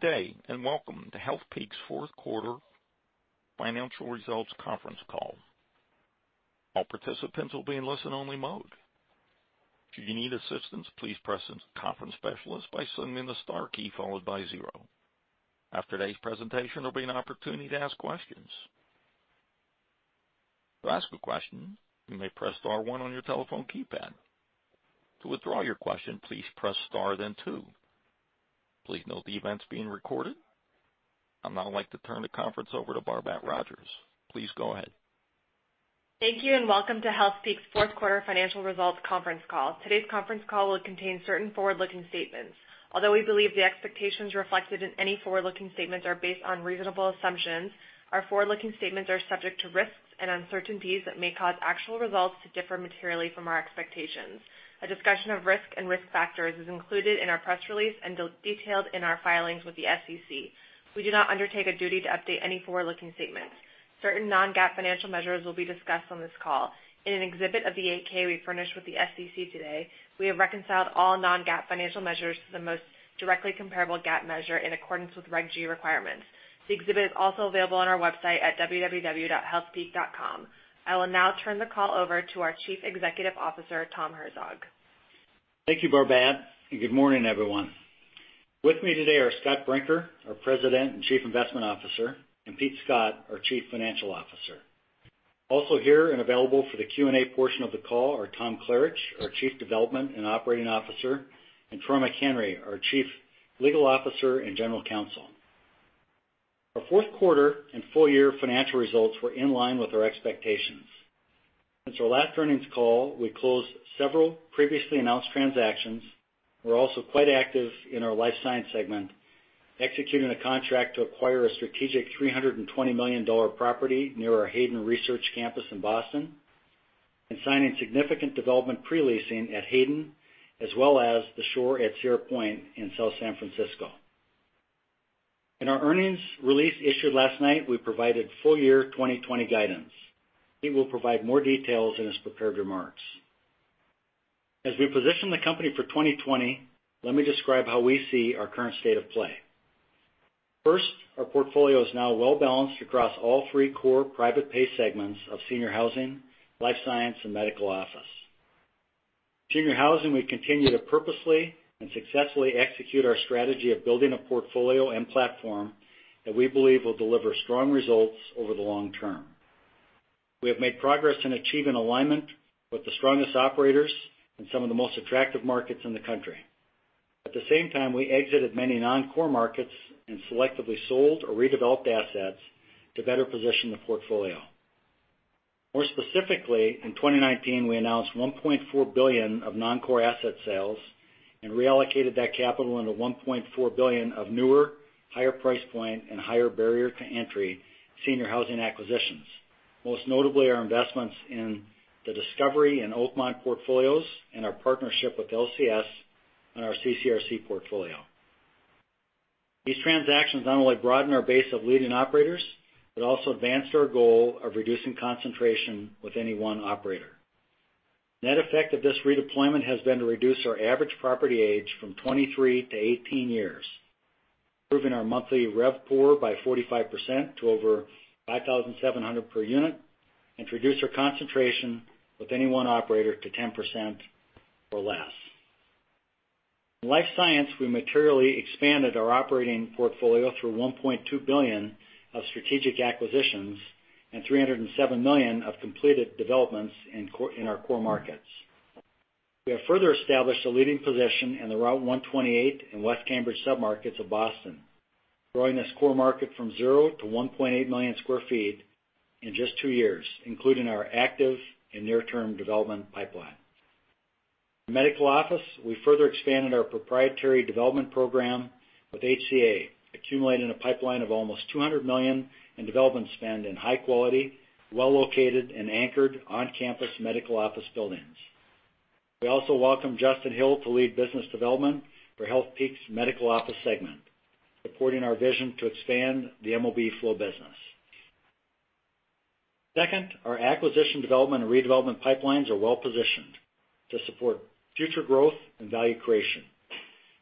Good day, welcome to Healthpeak's fourth quarter financial results conference call. All participants will be in listen-only mode. If you need assistance, please press the conference specialist by sending the star key followed by zero. After today's presentation, there'll be an opportunity to ask questions. To ask a question, you may press star one on your telephone keypad. To withdraw your question, please press star then two. Please note the event's being recorded. I'd now like to turn the conference over to Barbat Rodgers. Please go ahead. Thank you, and welcome to Healthpeak's fourth quarter financial results conference call. Today's conference call will contain certain forward-looking statements. Although we believe the expectations reflected in any forward-looking statements are based on reasonable assumptions, our forward-looking statements are subject to risks and uncertainties that may cause actual results to differ materially from our expectations. A discussion of risk and risk factors is included in our press release and detailed in our filings with the SEC. We do not undertake a duty to update any forward-looking statements. Certain non-GAAP financial measures will be discussed on this call. In an exhibit of the 8-K we furnished with the SEC today, we have reconciled all non-GAAP financial measures to the most directly comparable GAAP measure in accordance with Reg G requirements. The exhibit is also available on our website at www.healthpeak.com. I will now turn the call over to our Chief Executive Officer, Tom Herzog. Thank you, Barbat. Good morning, everyone. With me today are Scott Brinker, our President and Chief Investment Officer, and Pete Scott, our Chief Financial Officer. Also here and available for the Q&A portion of the call are Tom Klaritch, our Chief Development and Operating Officer, and Torma Henry, our Chief Legal Officer and General Counsel. Our fourth quarter and full year financial results were in line with our expectations. Since our last earnings call, we closed several previously announced transactions. We are also quite active in our life science segment, executing a contract to acquire a strategic $320 million property near our Hayden Research Campus in Boston, and signing significant development pre-leasing at Hayden, as well as The Shore at Sierra Point in South San Francisco. In our earnings release issued last night, we provided full year 2020 guidance. Pete will provide more details in his prepared remarks. As we position the company for 2020, let me describe how we see our current state of play. First, our portfolio is now well-balanced across all three core private pay segments of senior housing, life science, and medical office. Senior housing, we continue to purposely and successfully execute our strategy of building a portfolio and platform that we believe will deliver strong results over the long term. We have made progress in achieving alignment with the strongest operators in some of the most attractive markets in the country. At the same time, we exited many non-core markets and selectively sold or redeveloped assets to better position the portfolio. More specifically, in 2019, we announced $1.4 billion of non-core asset sales and reallocated that capital into $1.4 billion of newer, higher price point, and higher barrier to entry senior housing acquisitions. Most notably, our investments in the Discovery and Oakmont portfolios and our partnership with LCS on our CCRC portfolio. These transactions not only broaden our base of leading operators, but also advance our goal of reducing concentration with any one operator. Net effect of this redeployment has been to reduce our average property age from 23 to 18 years, improving our monthly RevPOR by 45% to over 5,700 per unit, and to reduce our concentration with any one operator to 10% or less. In life science, we materially expanded our operating portfolio through $1.2 billion of strategic acquisitions and $307 million of completed developments in our core markets. We have further established a leading position in the Route 128 in West Cambridge submarkets of Boston, growing this core market from zero to 1.8 million sq ft in just two years, including our active and near-term development pipeline. In medical office, we further expanded our proprietary development program with HCA, accumulating a pipeline of almost $200 million in development spend in high quality, well-located, and anchored on-campus medical office buildings. We also welcomed Justin Hill to lead business development for Healthpeak's medical office segment, supporting our vision to expand the MOB flow business. Second, our acquisition development and redevelopment pipelines are well positioned to support future growth and value creation.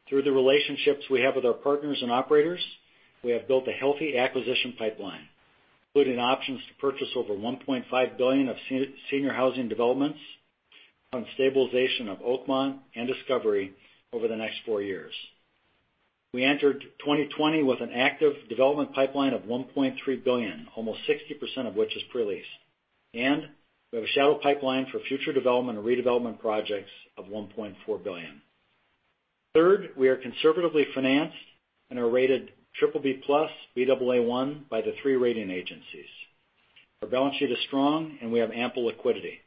Through the relationships we have with our partners and operators, we have built a healthy acquisition pipeline, including options to purchase over $1.5 billion of senior housing developments on stabilization of Oakmont and Discovery over the next four years. We entered 2020 with an active development pipeline of $1.3 billion, almost 60% of which is pre-leased. We have a shallow pipeline for future development or redevelopment projects of $1.4 billion. Third, we are conservatively financed and are rated BBB+ /Baa1 by the three rating agencies. Our balance sheet is strong, and we have ample liquidity.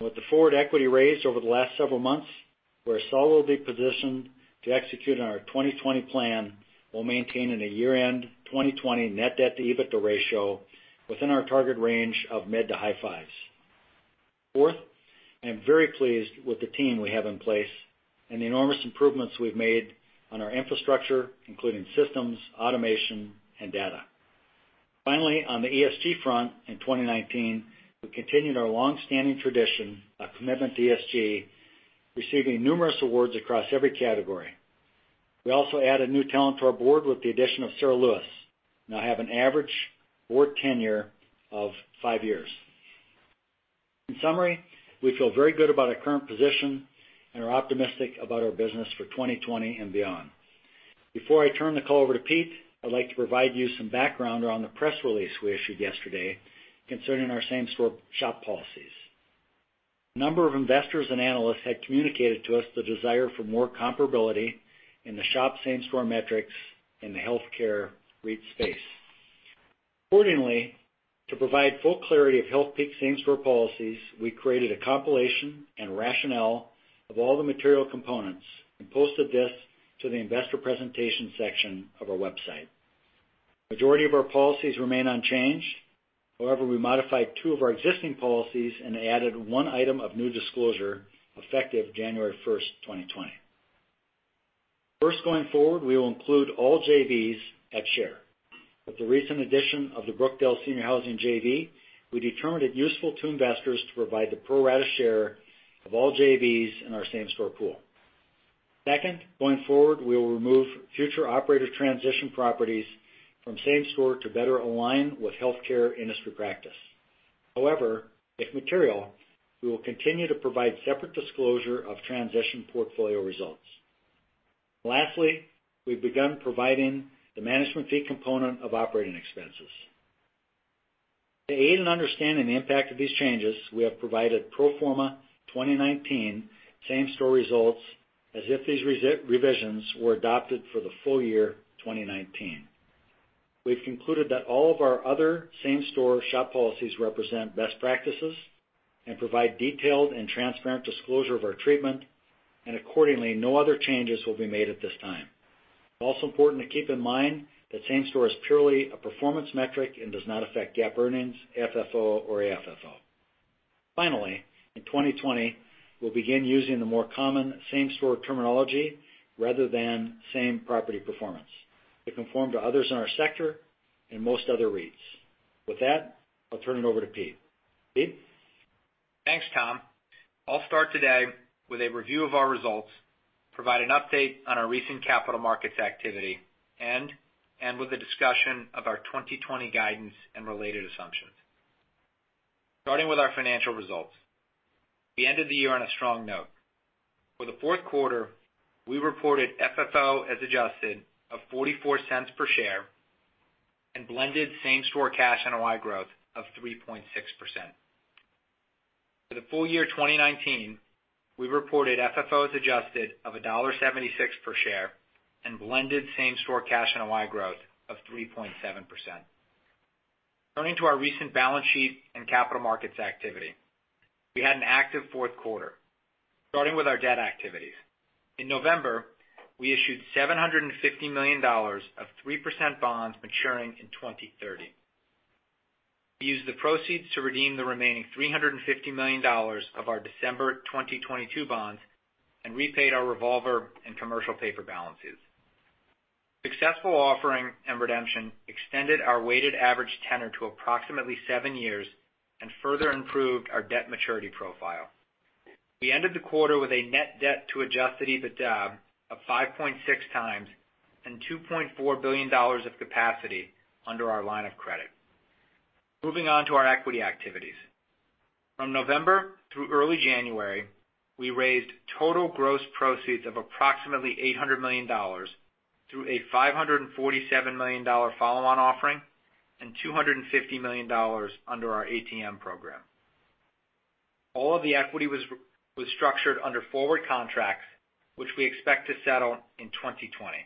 With the forward equity raise over the last several months, we're solidly positioned to execute on our 2020 plan, while maintaining a year-end 2020 net debt to EBITDA ratio within our target range of mid to high fives. Fourth, I am very pleased with the team we have in place and the enormous improvements we've made on our infrastructure, including systems, automation, and data. Finally, on the ESG front in 2019, we continued our long-standing tradition of commitment to ESG, receiving numerous awards across every category. We also added new talent to our board with the addition of Sara Lewis, now have an average board tenure of five years. In summary, we feel very good about our current position and are optimistic about our business for 2020 and beyond. Before I turn the call over to Pete, I'd like to provide you some background around the press release we issued yesterday concerning our same-store SHOP policies. A number of investors and analysts had communicated to us the desire for more comparability in the SHOP same-store metrics in the healthcare REIT space. Accordingly, to provide full clarity of Healthpeak Properties' same-store policies, we created a compilation and rationale of all the material components and posted this to the investor presentation section of our website. Majority of our policies remain unchanged. However, we modified two of our existing policies and added one item of new disclosure effective January 1st, 2020. First, going forward, we will include all JVs at share. With the recent addition of the Brookdale Senior Living JV, we determined it useful to investors to provide the pro rata share of all JVs in our same-store pool. Second, going forward, we will remove future operator transition properties from same-store to better align with healthcare industry practice. However, if material, we will continue to provide separate disclosure of transition portfolio results. Lastly, we've begun providing the management fee component of operating expenses. To aid in understanding the impact of these changes, we have provided pro forma 2019 same-store results as if these revisions were adopted for the full year 2019. We've concluded that all of our other same-store SHOP policies represent best practices and provide detailed and transparent disclosure of our treatment, and accordingly, no other changes will be made at this time. Also important to keep in mind that same-store is purely a performance metric and does not affect GAAP earnings, FFO or AFFO. Finally, in 2020, we'll begin using the more common same-store terminology rather than same property performance to conform to others in our sector and most other REITs. With that, I'll turn it over to Pete. Pete? Thanks, Tom. I'll start today with a review of our results, provide an update on our recent capital markets activity, and with a discussion of our 2020 guidance and related assumptions. Starting with our financial results. We ended the year on a strong note. For the fourth quarter, we reported FFO as adjusted of $0.44 per share and blended same-store cash NOI growth of 3.6%. For the full year 2019, we reported FFO as adjusted of $1.76 per share and blended same-store cash NOI growth of 3.7%. Turning to our recent balance sheet and capital markets activity. We had an active fourth quarter, starting with our debt activities. In November, we issued $750 million of 3% bonds maturing in 2030. We used the proceeds to redeem the remaining $350 million of our December 2022 bonds and repaid our revolver and commercial paper balances. Successful offering and redemption extended our weighted average tenor to approximately seven years and further improved our debt maturity profile. We ended the quarter with a net debt to adjusted EBITDA of 5.6 times and $2.4 billion of capacity under our line of credit. Moving on to our equity activities. From November through early January, we raised total gross proceeds of approximately $800 million through a $547 million follow-on offering and $250 million under our ATM program. All of the equity was structured under forward contracts, which we expect to settle in 2020.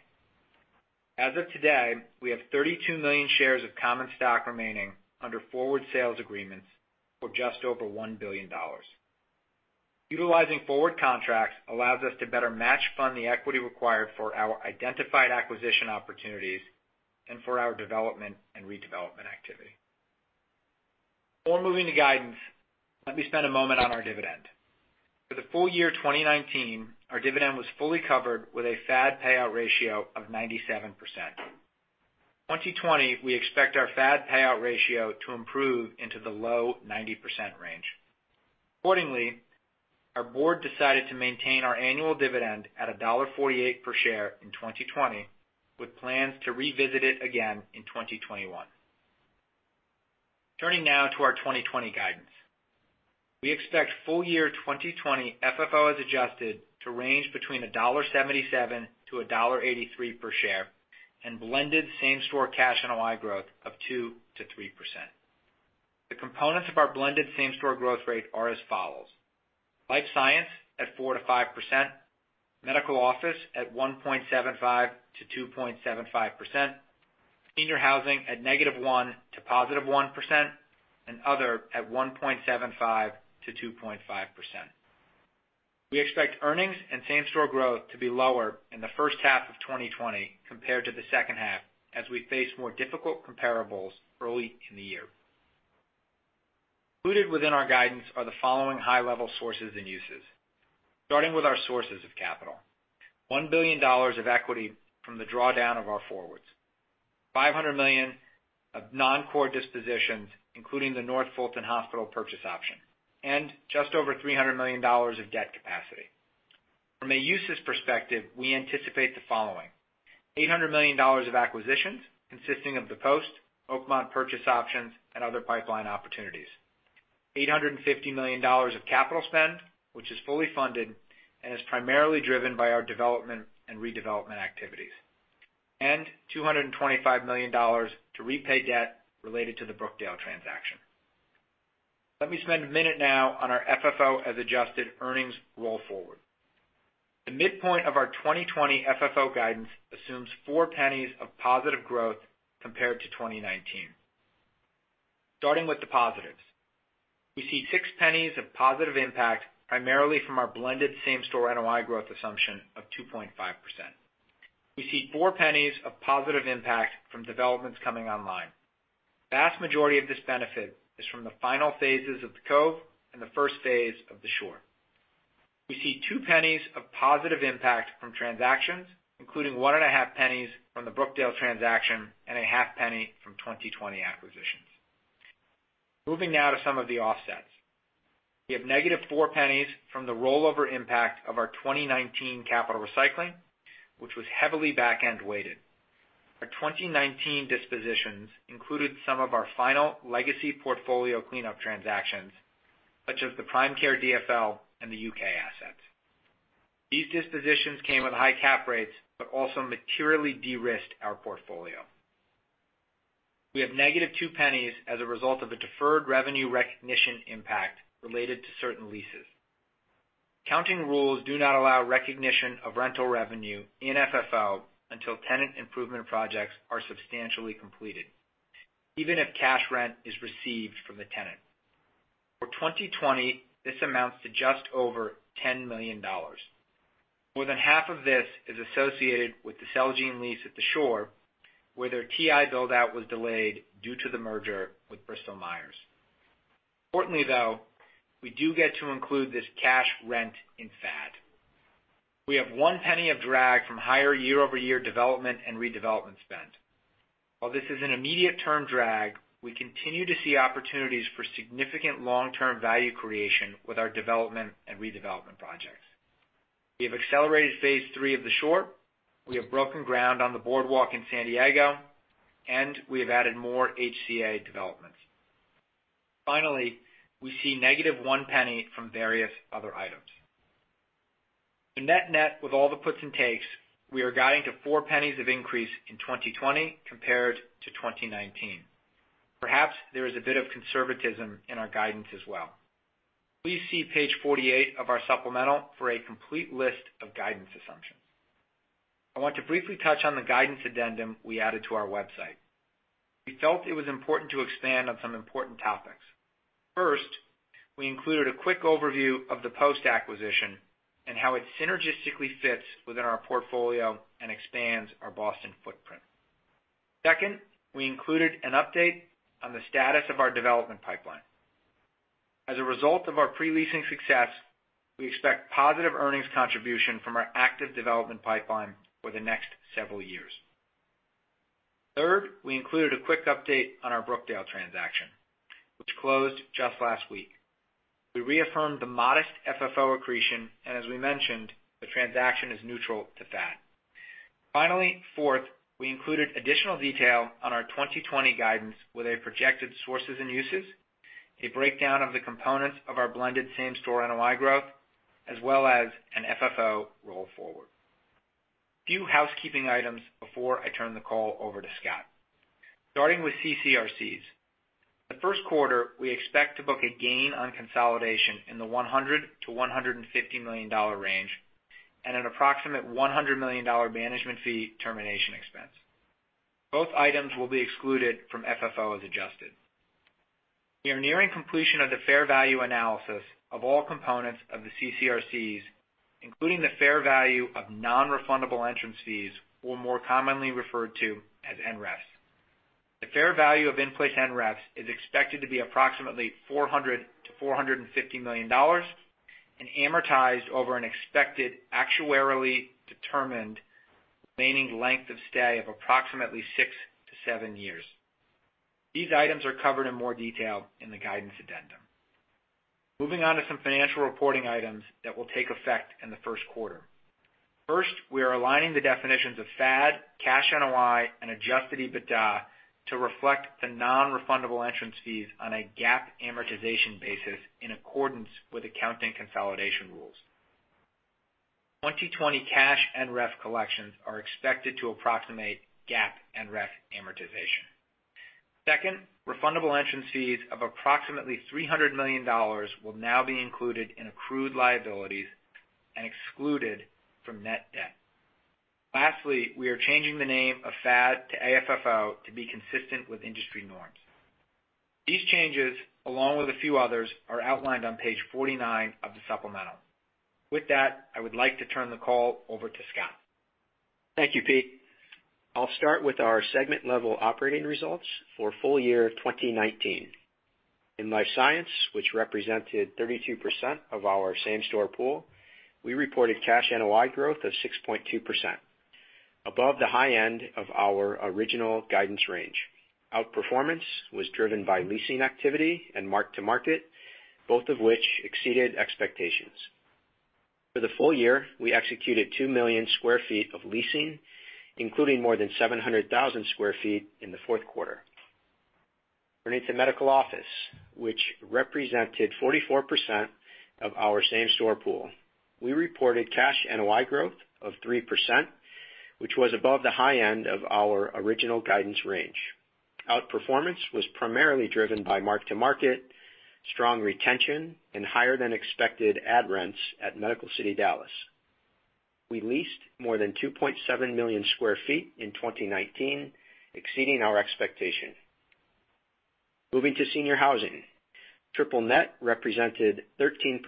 As of today, we have 32 million shares of common stock remaining under forward sales agreements for just over $1 billion. Utilizing forward contracts allows us to better match fund the equity required for our identified acquisition opportunities and for our development and redevelopment activity. Before moving to guidance, let me spend a moment on our dividend. For the full year 2019, our dividend was fully covered with a FAD payout ratio of 97%. 2020, we expect our FAD payout ratio to improve into the low 90% range. Accordingly, our board decided to maintain our annual dividend at $1.48 per share in 2020, with plans to revisit it again in 2021. Turning now to our 2020 guidance. We expect full year 2020 FFO as adjusted to range between $1.77-$1.83 per share and blended same-store cash NOI growth of 2%-3%. The components of our blended same-store growth rate are as follows. Life science at 4%-5%, medical office at 1.75%-2.75%, senior housing at -1% to +1%, and other at 1.75%-2.5%. We expect earnings and same-store growth to be lower in the first half of 2020 compared to the second half as we face more difficult comparables early in the year. Included within our guidance are the following high-level sources and uses. Starting with our sources of capital. $1 billion of equity from the drawdown of our forwards, $500 million of non-core dispositions, including the North Fulton Hospital purchase option, and just over $300 million of debt capacity. From a uses perspective, we anticipate the following. $800 million of acquisitions consisting of the Post, Oakmont purchase options, and other pipeline opportunities. $850 million of capital spend, which is fully funded and is primarily driven by our development and redevelopment activities. $225 million to repay debt related to the Brookdale transaction. Let me spend a minute now on our FFO-as-adjusted earnings roll forward. The midpoint of our 2020 FFO guidance assumes $0.04 of positive growth compared to 2019. Starting with the positives. We see $0.06 of positive impact, primarily from our blended same-store NOI growth assumption of 2.5%. We see $0.04 of positive impact from developments coming online. Vast majority of this benefit is from the final phases of The Cove and the first phase of The Shore. We see $0.02 of positive impact from transactions, including $0.015 from the Brookdale transaction and $0.005 from 2020 acquisitions. Moving now to some of the offsets. We have negative $0.04 from the rollover impact of our 2019 capital recycling, which was heavily back-end weighted. Our 2019 dispositions included some of our final legacy portfolio cleanup transactions, such as the Priory Group DFL and the U.K. assets. These dispositions came with high cap rates but also materially de-risked our portfolio. We have -$0.02 as a result of a deferred revenue recognition impact related to certain leases. Accounting rules do not allow recognition of rental revenue in FFO until tenant improvement projects are substantially completed, even if cash rent is received from the tenant. For 2020, this amounts to just over $10 million. More than half of this is associated with the Celgene lease at The Shore, where their TI build-out was delayed due to the merger with Bristol Myers. Importantly, though, we do get to include this cash rent in FAD. We have $0.01 of drag from higher year-over-year development and redevelopment spend. While this is an immediate-term drag, we continue to see opportunities for significant long-term value creation with our development and redevelopment projects. We have accelerated phase three of The Shore. We have broken ground on The Boardwalk in San Diego, and we have added more HCA developments. Finally, we see -$0.01 from various other items. The net-net with all the puts and takes, we are guiding to $0.04 of increase in 2020 compared to 2019. Perhaps there is a bit of conservatism in our guidance as well. Please see page 48 of our supplemental for a complete list of guidance assumptions. I want to briefly touch on the guidance addendum we added to our website. We felt it was important to expand on some important topics. First, we included a quick overview of the Post acquisition and how it synergistically fits within our portfolio and expands our Boston footprint. Second, we included an update on the status of our development pipeline. As a result of our pre-leasing success, we expect positive earnings contribution from our active development pipeline for the next several years. Third, we included a quick update on our Brookdale transaction, which closed just last week. We reaffirmed the modest FFO accretion, and as we mentioned, the transaction is neutral to FAD. Finally, fourth, we included additional detail on our 2020 guidance with a projected sources and uses, a breakdown of the components of our blended same-store NOI growth, as well as an FFO roll forward. Few housekeeping items before I turn the call over to Scott. Starting with CCRCs. The first quarter, we expect to book a gain on consolidation in the $100 million-$150 million range and an approximate $100 million management fee termination expense. Both items will be excluded from FFO as adjusted. We are nearing completion of the fair value analysis of all components of the CCRCs, including the fair value of non-refundable entrance fees, or more commonly referred to as NREF. The fair value of in-place NREFs is expected to be approximately $400 million-$450 million and amortized over an expected actuarially determined remaining length of stay of approximately six to seven years. These items are covered in more detail in the guidance addendum. Moving on to some financial reporting items that will take effect in the first quarter. First, we are aligning the definitions of FAD, cash NOI, and adjusted EBITDA to reflect the non-refundable entrance fees on a GAAP amortization basis in accordance with accounting consolidation rules. 2020 cash NREF collections are expected to approximate GAAP NREF amortization. Second, refundable entrance fees of approximately $300 million will now be included in accrued liabilities and excluded from net debt. Lastly, we are changing the name of FAD to AFFO to be consistent with industry norms. These changes, along with a few others, are outlined on page 49 of the supplemental. With that, I would like to turn the call over to Scott. Thank you, Pete. I'll start with our segment-level operating results for full year 2019. In life science, which represented 32% of our same-store pool, we reported cash NOI growth of 6.2%, above the high end of our original guidance range. Outperformance was driven by leasing activity and mark-to-market, both of which exceeded expectations. For the full year, we executed 2 million sq ft of leasing, including more than 700,000 sq ft in the fourth quarter. Turning to medical office, which represented 44% of our same-store pool, we reported cash NOI growth of 3%, which was above the high end of our original guidance range. Outperformance was primarily driven by mark-to-market, strong retention, and higher than expected add rents at Medical City Dallas. We leased more than 2.7 million sq ft in 2019, exceeding our expectation. Moving to senior housing. Triple net represented 13%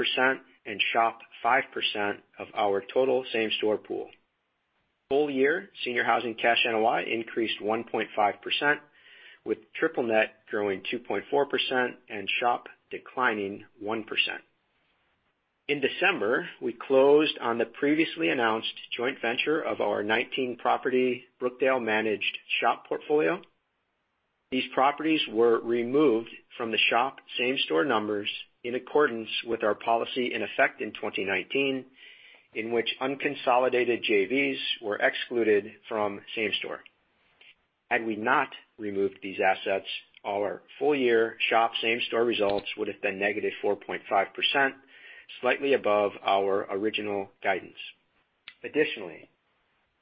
and SHOP 5% of our total same-store pool. Full year senior housing cash NOI increased 1.5%, with triple net growing 2.4% and SHOP declining 1%. In December, we closed on the previously announced joint venture of our 19-property Brookdale managed SHOP portfolio. These properties were removed from the SHOP same-store numbers in accordance with our policy in effect in 2019, in which unconsolidated JVs were excluded from same store. Had we not removed these assets, our full-year SHOP same-store results would have been negative 4.5%, slightly above our original guidance. Additionally,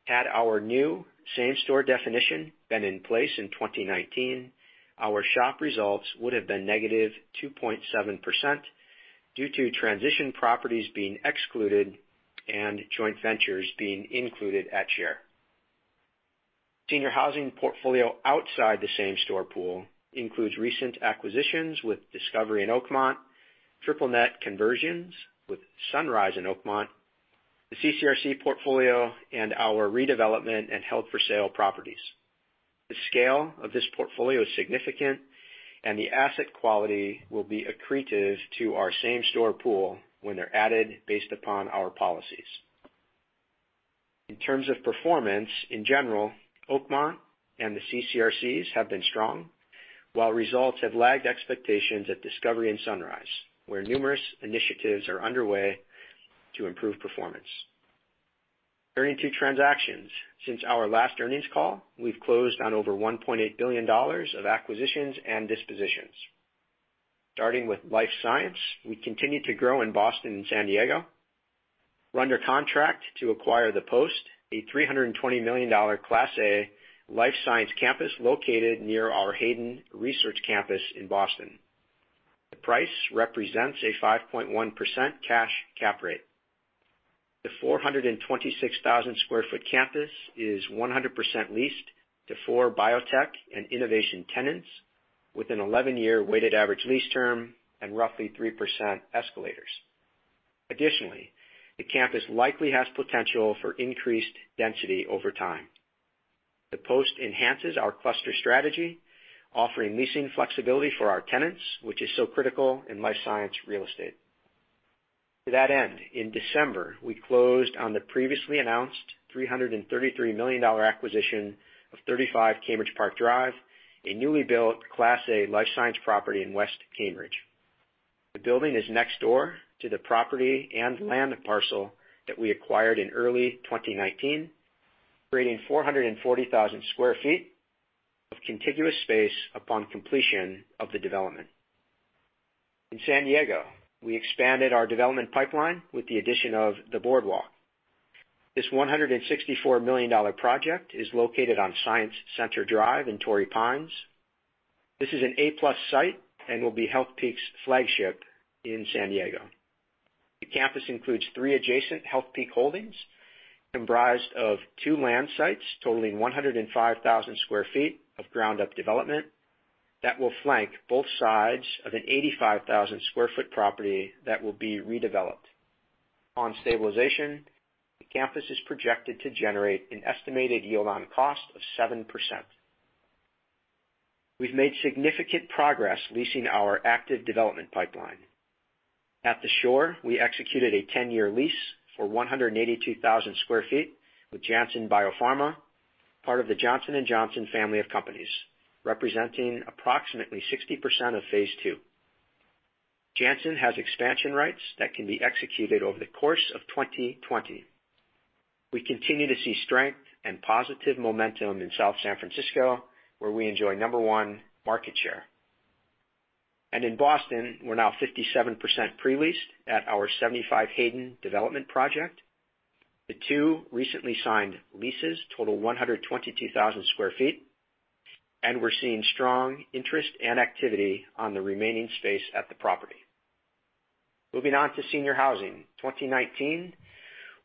had our new same-store definition been in place in 2019, our SHOP results would have been negative 2.7% due to transition properties being excluded and joint ventures being included at share. Senior housing portfolio outside the same-store pool includes recent acquisitions with Discovery and Oakmont, triple net conversions with Sunrise and Oakmont, the CCRC portfolio, and our redevelopment and held-for-sale properties. The scale of this portfolio is significant, and the asset quality will be accretive to our same-store pool when they're added based upon our policies. In terms of performance, in general, Oakmont and the CCRCs have been strong, while results have lagged expectations at Discovery and Sunrise, where numerous initiatives are underway to improve performance. Turning to transactions. Since our last earnings call, we've closed on over $1.8 billion of acquisitions and dispositions. Starting with life science, we continue to grow in Boston and San Diego. We're under contract to acquire The Post, a $320 million Class A life science campus located near our Hayden Research Campus in Boston. The price represents a 5.1% cash cap rate. The 426,000 square foot campus is 100% leased to four biotech and innovation tenants with an 11-year weighted average lease term and roughly 3% escalators. Additionally, the campus likely has potential for increased density over time. The Post enhances our cluster strategy, offering leasing flexibility for our tenants, which is so critical in life science real estate. To that end, in December, we closed on the previously announced $333 million acquisition of 35 Cambridge Park Drive, a newly built Class A life science property in West Cambridge. The building is next door to the property and land parcel that we acquired in early 2019, creating 440,000 square feet of contiguous space upon completion of the development. In San Diego, we expanded our development pipeline with the addition of The Boardwalk. This $164 million project is located on Science Center Drive in Torrey Pines. This is an A-plus site and will be Healthpeak's flagship in San Diego. The campus includes three adjacent Healthpeak holdings comprised of two land sites totaling 105,000 sq ft of ground-up development that will flank both sides of an 85,000 sq ft property that will be redeveloped. On stabilization, the campus is projected to generate an estimated yield on cost of 7%. We've made significant progress leasing our active development pipeline. At The Shore, we executed a 10-year lease for 182,000 sq ft with Janssen BioPharma, part of the Johnson & Johnson family of companies, representing approximately 60% of phase II. Janssen has expansion rights that can be executed over the course of 2020. We continue to see strength and positive momentum in South San Francisco, where we enjoy number 1 market share. In Boston, we're now 57% pre-leased at our 75 Hayden development project. The two recently signed leases total 122,000 square feet, and we're seeing strong interest and activity on the remaining space at the property. Moving on to senior housing. 2019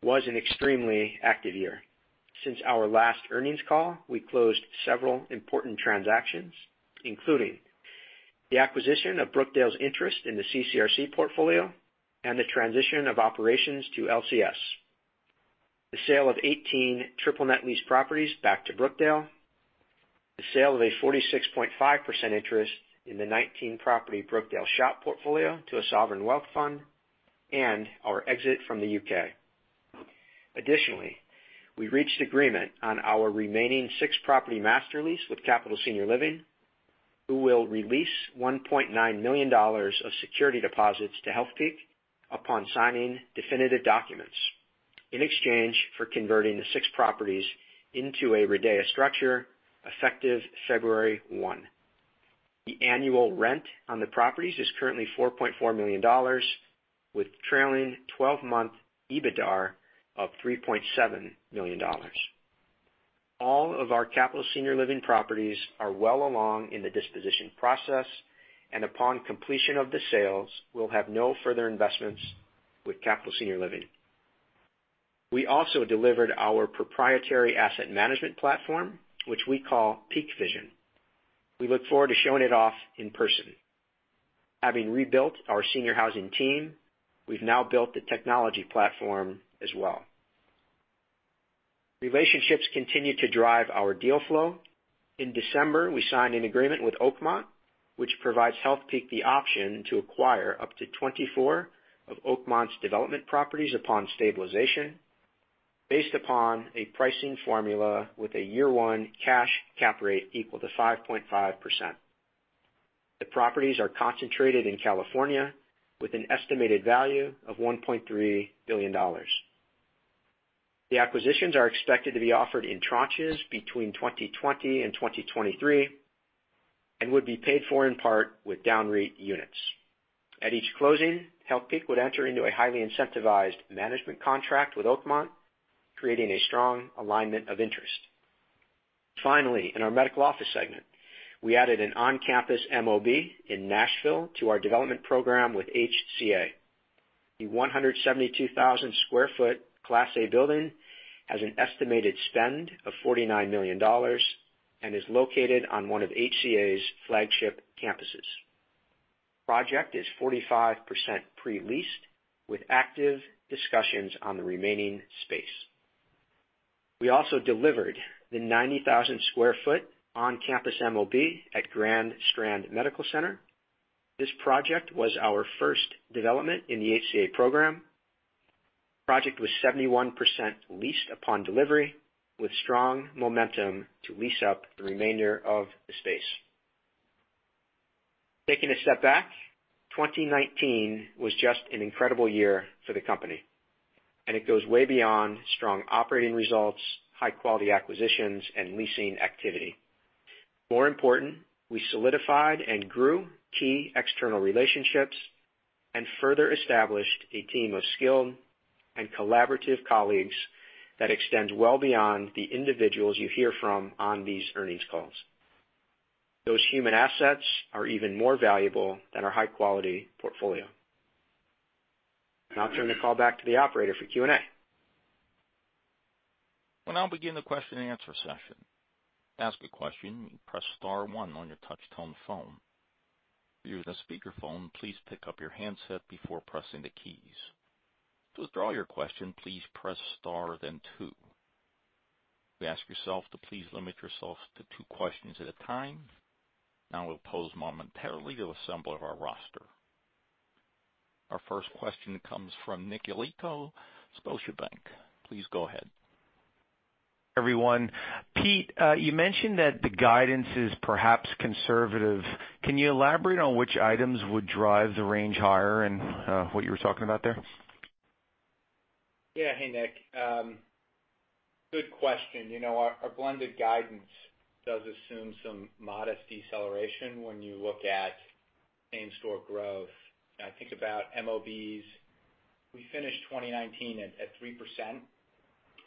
was an extremely active year. Since our last earnings call, we closed several important transactions, including the acquisition of Brookdale's interest in the CCRC portfolio and the transition of operations to LCS. The sale of 18 triple net lease properties back to Brookdale. The sale of a 46.5% interest in the 19-property Brookdale SHOP portfolio to a sovereign wealth fund, and our exit from the U.K. Additionally, we reached agreement on our remaining six-property master lease with Capital Senior Living, who will release $1.9 million of security deposits to Healthpeak upon signing definitive documents in exchange for converting the six properties into a RIDEA structure effective February 1. The annual rent on the properties is currently $4.4 million, with trailing 12-month EBITDAR of $3.7 million. All of our Capital Senior Living properties are well along in the disposition process, and upon completion of the sales, we'll have no further investments with Capital Senior Living. We also delivered our proprietary asset management platform, which we call PeakVision. We look forward to showing it off in person. Having rebuilt our senior housing team, we've now built the technology platform as well. Relationships continue to drive our deal flow. In December, we signed an agreement with Oakmont, which provides Healthpeak the option to acquire up to 24 of Oakmont's development properties upon stabilization based upon a pricing formula with a year 1 cash cap rate equal to 5.5%. The properties are concentrated in California with an estimated value of $1.3 billion. The acquisitions are expected to be offered in tranches between 2020 and 2023 and would be paid for in part with DownREIT units. At each closing, Healthpeak would enter into a highly incentivized management contract with Oakmont, creating a strong alignment of interest. Finally, in our medical office segment, we added an on-campus MOB in Nashville to our development program with HCA. The 172,000 sq ft Class A building has an estimated spend of $49 million and is located on one of HCA's flagship campuses. Project is 45% pre-leased with active discussions on the remaining space. We also delivered the 90,000 sq ft on-campus MOB at Grand Strand Medical Center. This project was our first development in the HCA program. Project was 71% leased upon delivery, with strong momentum to lease up the remainder of the space. Taking a step back, 2019 was just an incredible year for the company. It goes way beyond strong operating results, high-quality acquisitions, and leasing activity. More important, we solidified and grew key external relationships and further established a team of skilled and collaborative colleagues that extends well beyond the individuals you hear from on these earnings calls. Those human assets are even more valuable than our high-quality portfolio. Now I'll turn the call back to the operator for Q&A. We'll now begin the question and answer session. To ask a question, press star one on your touch-tone phone. If you're using a speakerphone, please pick up your handset before pressing the keys. To withdraw your question, please press star, then two. We ask you to please limit yourselves to two questions at a time. Now we'll pause momentarily to assemble our roster. Our first question comes from Nick Joseph, Spero Schebbink. Please go ahead. Everyone. Pete, you mentioned that the guidance is perhaps conservative. Can you elaborate on which items would drive the range higher and what you were talking about there? Hey, Nick. Good question. Our blended guidance does assume some modest deceleration when you look at same-store growth. I think about MOBs, we finished 2019 at 3%.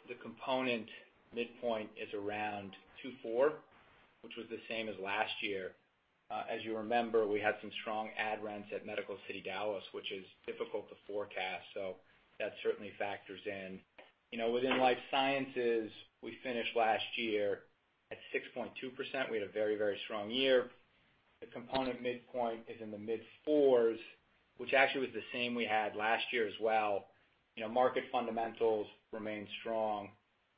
The component midpoint is around 2.4, which was the same as last year. As you remember, we had some strong add rents at Medical City Dallas, which is difficult to forecast. That certainly factors in. Within life sciences, we finished last year at 6.2%. We had a very strong year. The component midpoint is in the mid-fours, which actually was the same we had last year as well. Market fundamentals remain strong,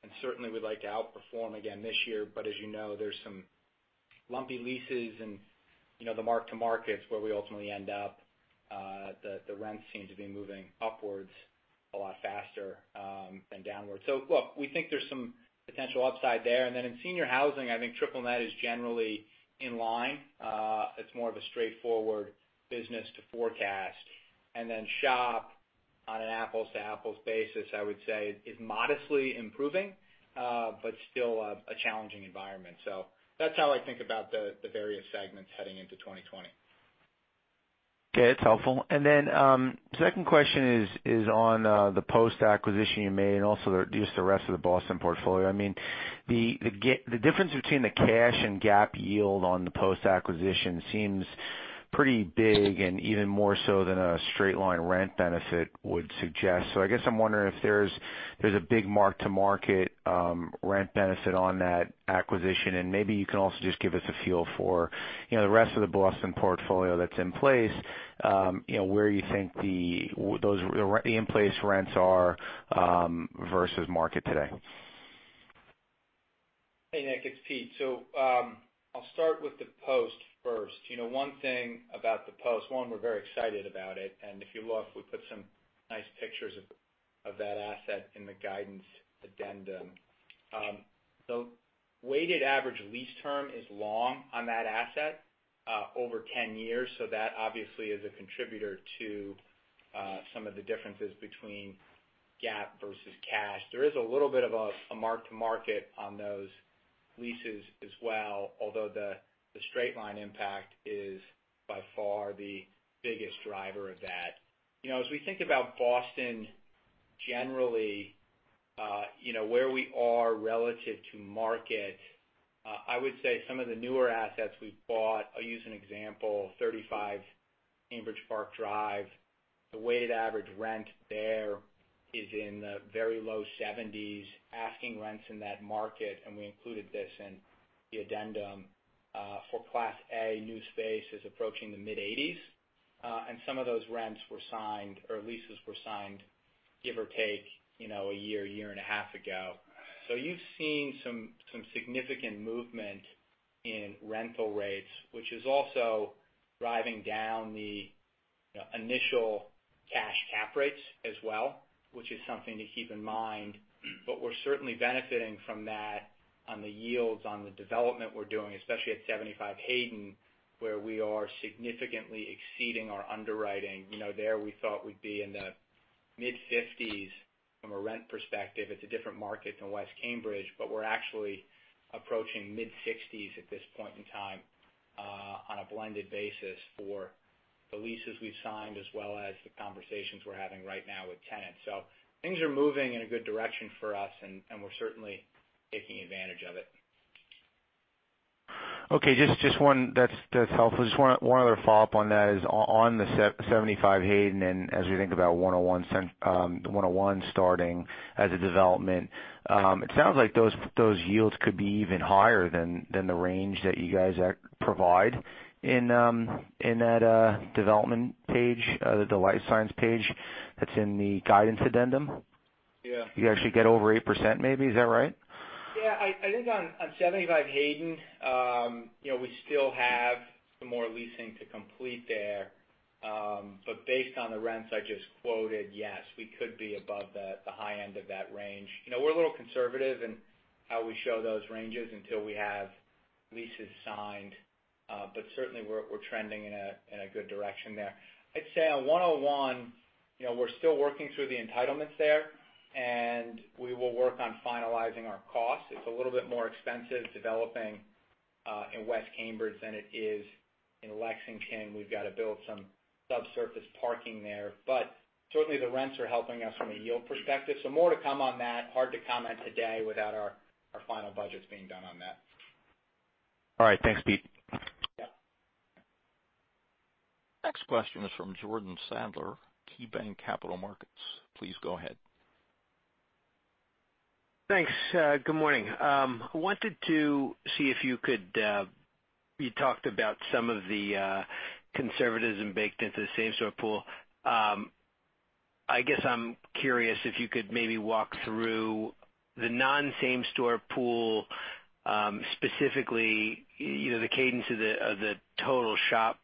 and certainly, we'd like to outperform again this year. As you know, there's some lumpy leases and the mark-to-markets where we ultimately end up. The rents seem to be moving upwards a lot faster than downwards. Look, we think there's some potential upside there. In senior housing, I think triple net is generally in line. It's more of a straightforward business to forecast. SHOP on an apples-to-apples basis, I would say is modestly improving, but still a challenging environment. That's how I think about the various segments heading into 2020. Okay. That's helpful. Second question is on the post-acquisition you made and also just the rest of the Boston portfolio. The difference between the cash and GAAP yield on the post-acquisition seems pretty big, and even more so than a straight-line rent benefit would suggest. I guess I'm wondering if there's a big mark-to-market rent benefit on that acquisition, and maybe you can also just give us a feel for the rest of the Boston portfolio that's in place, where you think the in-place rents are versus market today. Hey, Nick, it's Pete. I'll start with The Post first. One thing about The Post, one, we're very excited about it. If you look, we put some nice pictures of that asset in the guidance addendum. The weighted average lease term is long on that asset, over 10 years, so that obviously is a contributor to some of the differences between GAAP versus cash. There is a little bit of a mark-to-market on those leases as well, although the straight line impact is by far the biggest driver of that. As we think about Boston generally, where we are relative to market, I would say some of the newer assets we've bought, I'll use an example, 35 Cambridge Park Drive. The weighted average rent there is in the very low 70s. Asking rents in that market, we included this in the addendum, for Class A new space is approaching the mid-$80s. Some of those rents were signed or leases were signed give or take a year, a year and a half ago. You've seen some significant movement in rental rates, which is also driving down the initial cash cap rates as well, which is something to keep in mind. We're certainly benefiting from that on the yields on the development we're doing, especially at 75 Hayden, where we are significantly exceeding our underwriting. There we thought we'd be in the mid-$50s from a rent perspective. It's a different market than West Cambridge, we're actually approaching mid-$60s at this point in time, on a blended basis for the leases we've signed as well as the conversations we're having right now with tenants. Things are moving in a good direction for us, and we're certainly taking advantage of it. Okay. That's helpful. Just one other follow-up on that is on the 75 Hayden and as we think about the 101 starting as a development. It sounds like those yields could be even higher than the range that you guys provide in that development page, the life science page that's in the guidance addendum. Yeah. You actually get over 8% maybe. Is that right? Yeah. I think on 75 Hayden, we still have some more leasing to complete there. Based on the rents I just quoted, yes, we could be above the high end of that range. We're a little conservative in how we show those ranges until we have leases signed. Certainly we're trending in a good direction there. I'd say on 101, we're still working through the entitlements there, and we will work on finalizing our costs. It's a little bit more expensive developing in West Cambridge than it is in Lexington. We've got to build some subsurface parking there. Certainly the rents are helping us from a yield perspective. More to come on that. Hard to comment today without our final budgets being done on that. All right. Thanks, Pete. Yeah. Next question is from Jordan Sadler, KeyBanc Capital Markets. Please go ahead. Thanks. Good morning. You talked about some of the conservatism baked into the same-store pool. I guess I'm curious if you could maybe walk through the non-same-store pool, specifically, the cadence of the total SHOP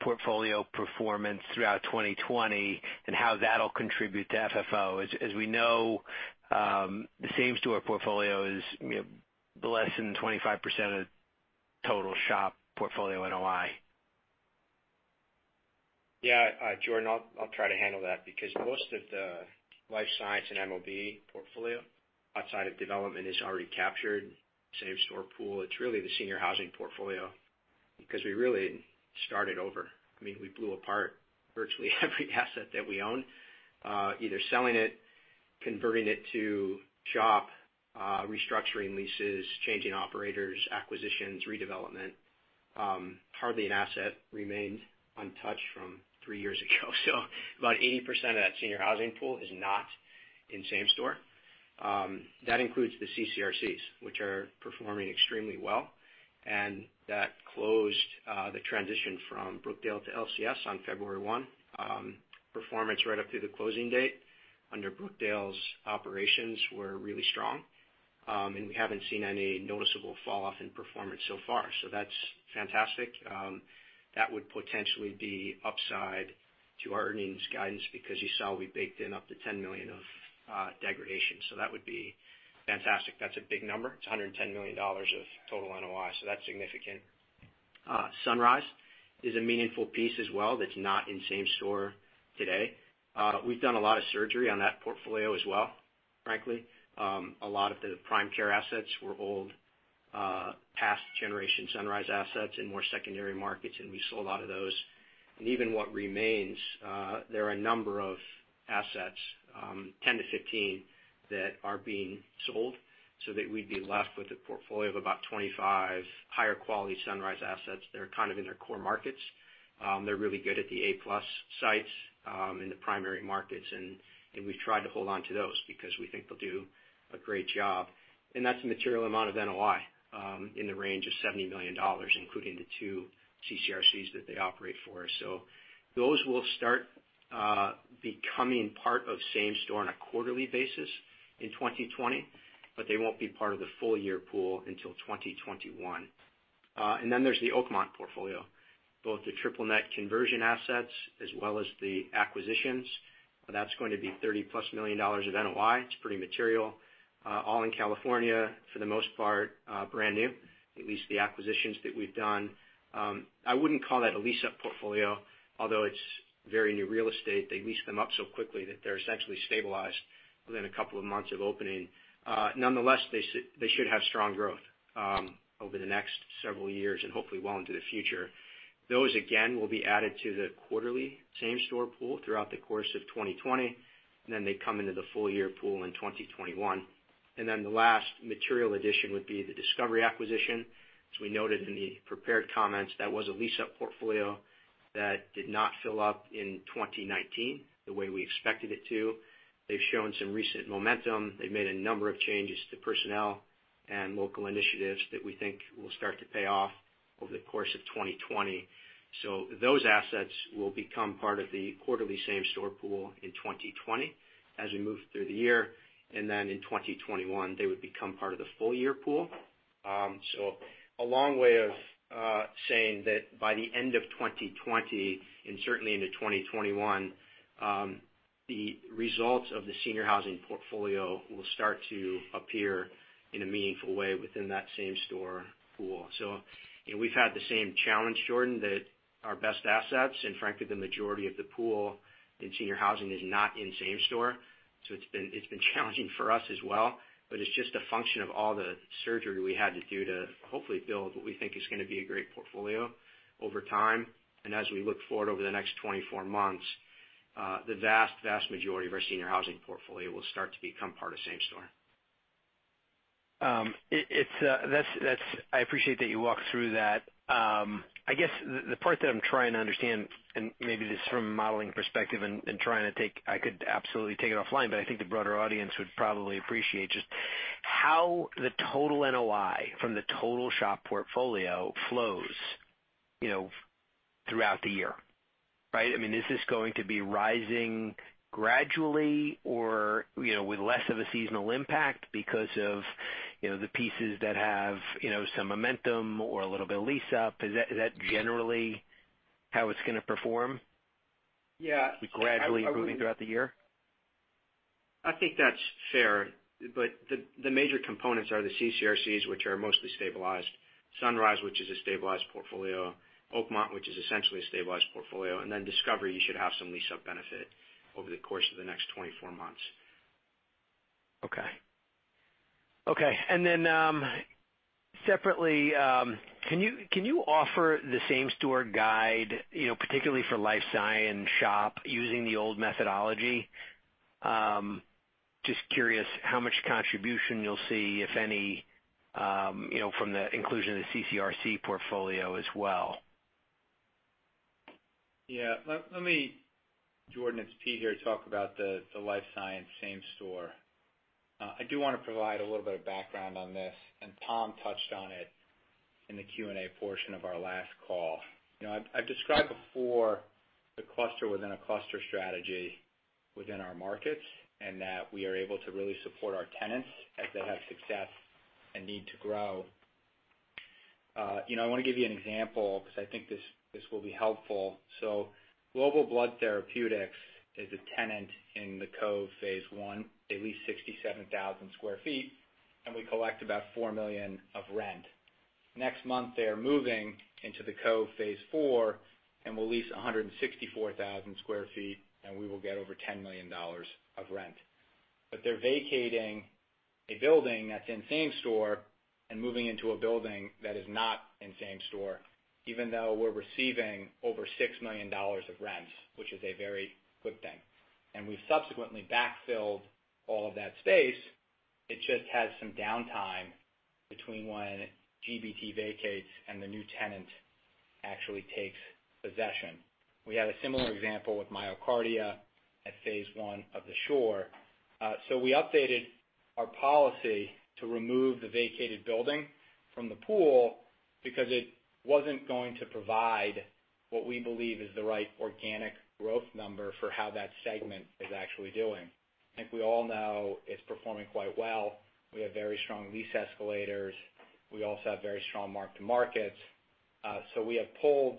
portfolio performance throughout 2020, and how that'll contribute to FFO. As we know, the same-store portfolio is less than 25% of total SHOP portfolio NOI. Yeah, Jordan, I'll try to handle that because most of the life science and MOB portfolio outside of development is already captured in same-store pool. It's really the senior housing portfolio because we really started over. We blew apart virtually every asset that we own, either selling it, converting it to SHOP, restructuring leases, changing operators, acquisitions, redevelopment. Hardly an asset remained untouched from three years ago. About 80% of that senior housing pool is not in same-store. That includes the CCRCs, which are performing extremely well. That closed the transition from Brookdale to LCS on February 1. Performance right up to the closing date under Brookdale's operations were really strong. We haven't seen any noticeable falloff in performance so far, so that's fantastic. That would potentially be upside to our earnings guidance because you saw we baked in up to $10 million of degradation. That would be fantastic. That's a big number. It's $110 million of total NOI. That's significant. Sunrise is a meaningful piece as well that's not in same store today. We've done a lot of surgery on that portfolio as well, frankly. A lot of the prime care assets were old, past-generation Sunrise assets in more secondary markets. We sold a lot of those. Even what remains, there are a number of assets, 10-15, that are being sold so that we'd be left with a portfolio of about 25 higher-quality Sunrise assets that are kind of in their core markets. They're really good at the A-plus sites in the primary markets. We've tried to hold on to those because we think they'll do a great job. That's a material amount of NOI. In the range of $70 million, including the 2 CCRCs that they operate for us. Those will start becoming part of same-store on a quarterly basis in 2020, but they won't be part of the full-year pool until 2021. There's the Oakmont portfolio, both the triple net conversion assets as well as the acquisitions. That's going to be $30+ million of NOI. It's pretty material. All in California, for the most part, brand new, at least the acquisitions that we've done. I wouldn't call that a lease-up portfolio, although it's very new real estate. They lease them up so quickly that they're essentially stabilized within two months of opening. Nonetheless, they should have strong growth over the next several years, and hopefully well into the future. Those, again, will be added to the quarterly same-store pool throughout the course of 2020, and then they come into the full-year pool in 2021. The last material addition would be the Discovery acquisition. As we noted in the prepared comments, that was a lease-up portfolio that did not fill up in 2019 the way we expected it to. They've shown some recent momentum. They've made a number of changes to personnel and local initiatives that we think will start to pay off over the course of 2020. Those assets will become part of the quarterly same-store pool in 2020 as we move through the year. In 2021, they would become part of the full-year pool. A long way of saying that by the end of 2020, and certainly into 2021, the results of the senior housing portfolio will start to appear in a meaningful way within that same-store pool. We've had the same challenge, Jordan, that our best assets, and frankly, the majority of the pool in senior housing is not in same-store. It's been challenging for us as well, but it's just a function of all the surgery we had to do to hopefully build what we think is going to be a great portfolio over time. As we look forward over the next 24 months, the vast majority of our senior housing portfolio will start to become part of same-store. I appreciate that you walked through that. I guess the part that I'm trying to understand, maybe this is from a modeling perspective. I could absolutely take it offline. I think the broader audience would probably appreciate just how the total NOI from the total SHOP portfolio flows throughout the year, right? Is this going to be rising gradually or with less of a seasonal impact because of the pieces that have some momentum or a little bit of lease-up? Is that generally how it's going to perform? Yeah. Gradually improving throughout the year? I think that's fair. The major components are the CCRCs, which are mostly stabilized. Sunrise, which is a stabilized portfolio. Oakmont, which is essentially a stabilized portfolio. Discovery, you should have some lease-up benefit over the course of the next 24 months. Okay. Separately, can you offer the same-store guide, particularly for life sci and SHOP using the old methodology? Just curious how much contribution you'll see, if any, from the inclusion of the CCRC portfolio as well. Let me, Jordan, it's Pete here, talk about the life science same-store. I do want to provide a little bit of background on this, and Tom touched on it in the Q&A portion of our last call. I've described before the cluster-within-a-cluster strategy within our markets, and that we are able to really support our tenants as they have success and need to grow. I want to give you an example because I think this will be helpful. Global Blood Therapeutics is a tenant in The Cove Phase I. They lease 67,000 sq ft, and we collect about $4 million of rent. Next month, they are moving into The Cove Phase IV, and will lease 164,000 sq ft, and we will get over $10 million of rent. They're vacating a building that's in same-store and moving into a building that is not in same-store, even though we're receiving over $6 million of rents, which is a very good thing. We've subsequently backfilled all of that space. It just has some downtime between when GBT vacates and the new tenant actually takes possession. We had a similar example with MyoKardia at Phase I of The Shore. We updated our policy to remove the vacated building from the pool because it wasn't going to provide what we believe is the right organic growth number for how that segment is actually doing. I think we all know it's performing quite well. We have very strong lease escalators. We also have very strong mark-to-markets. We have pulled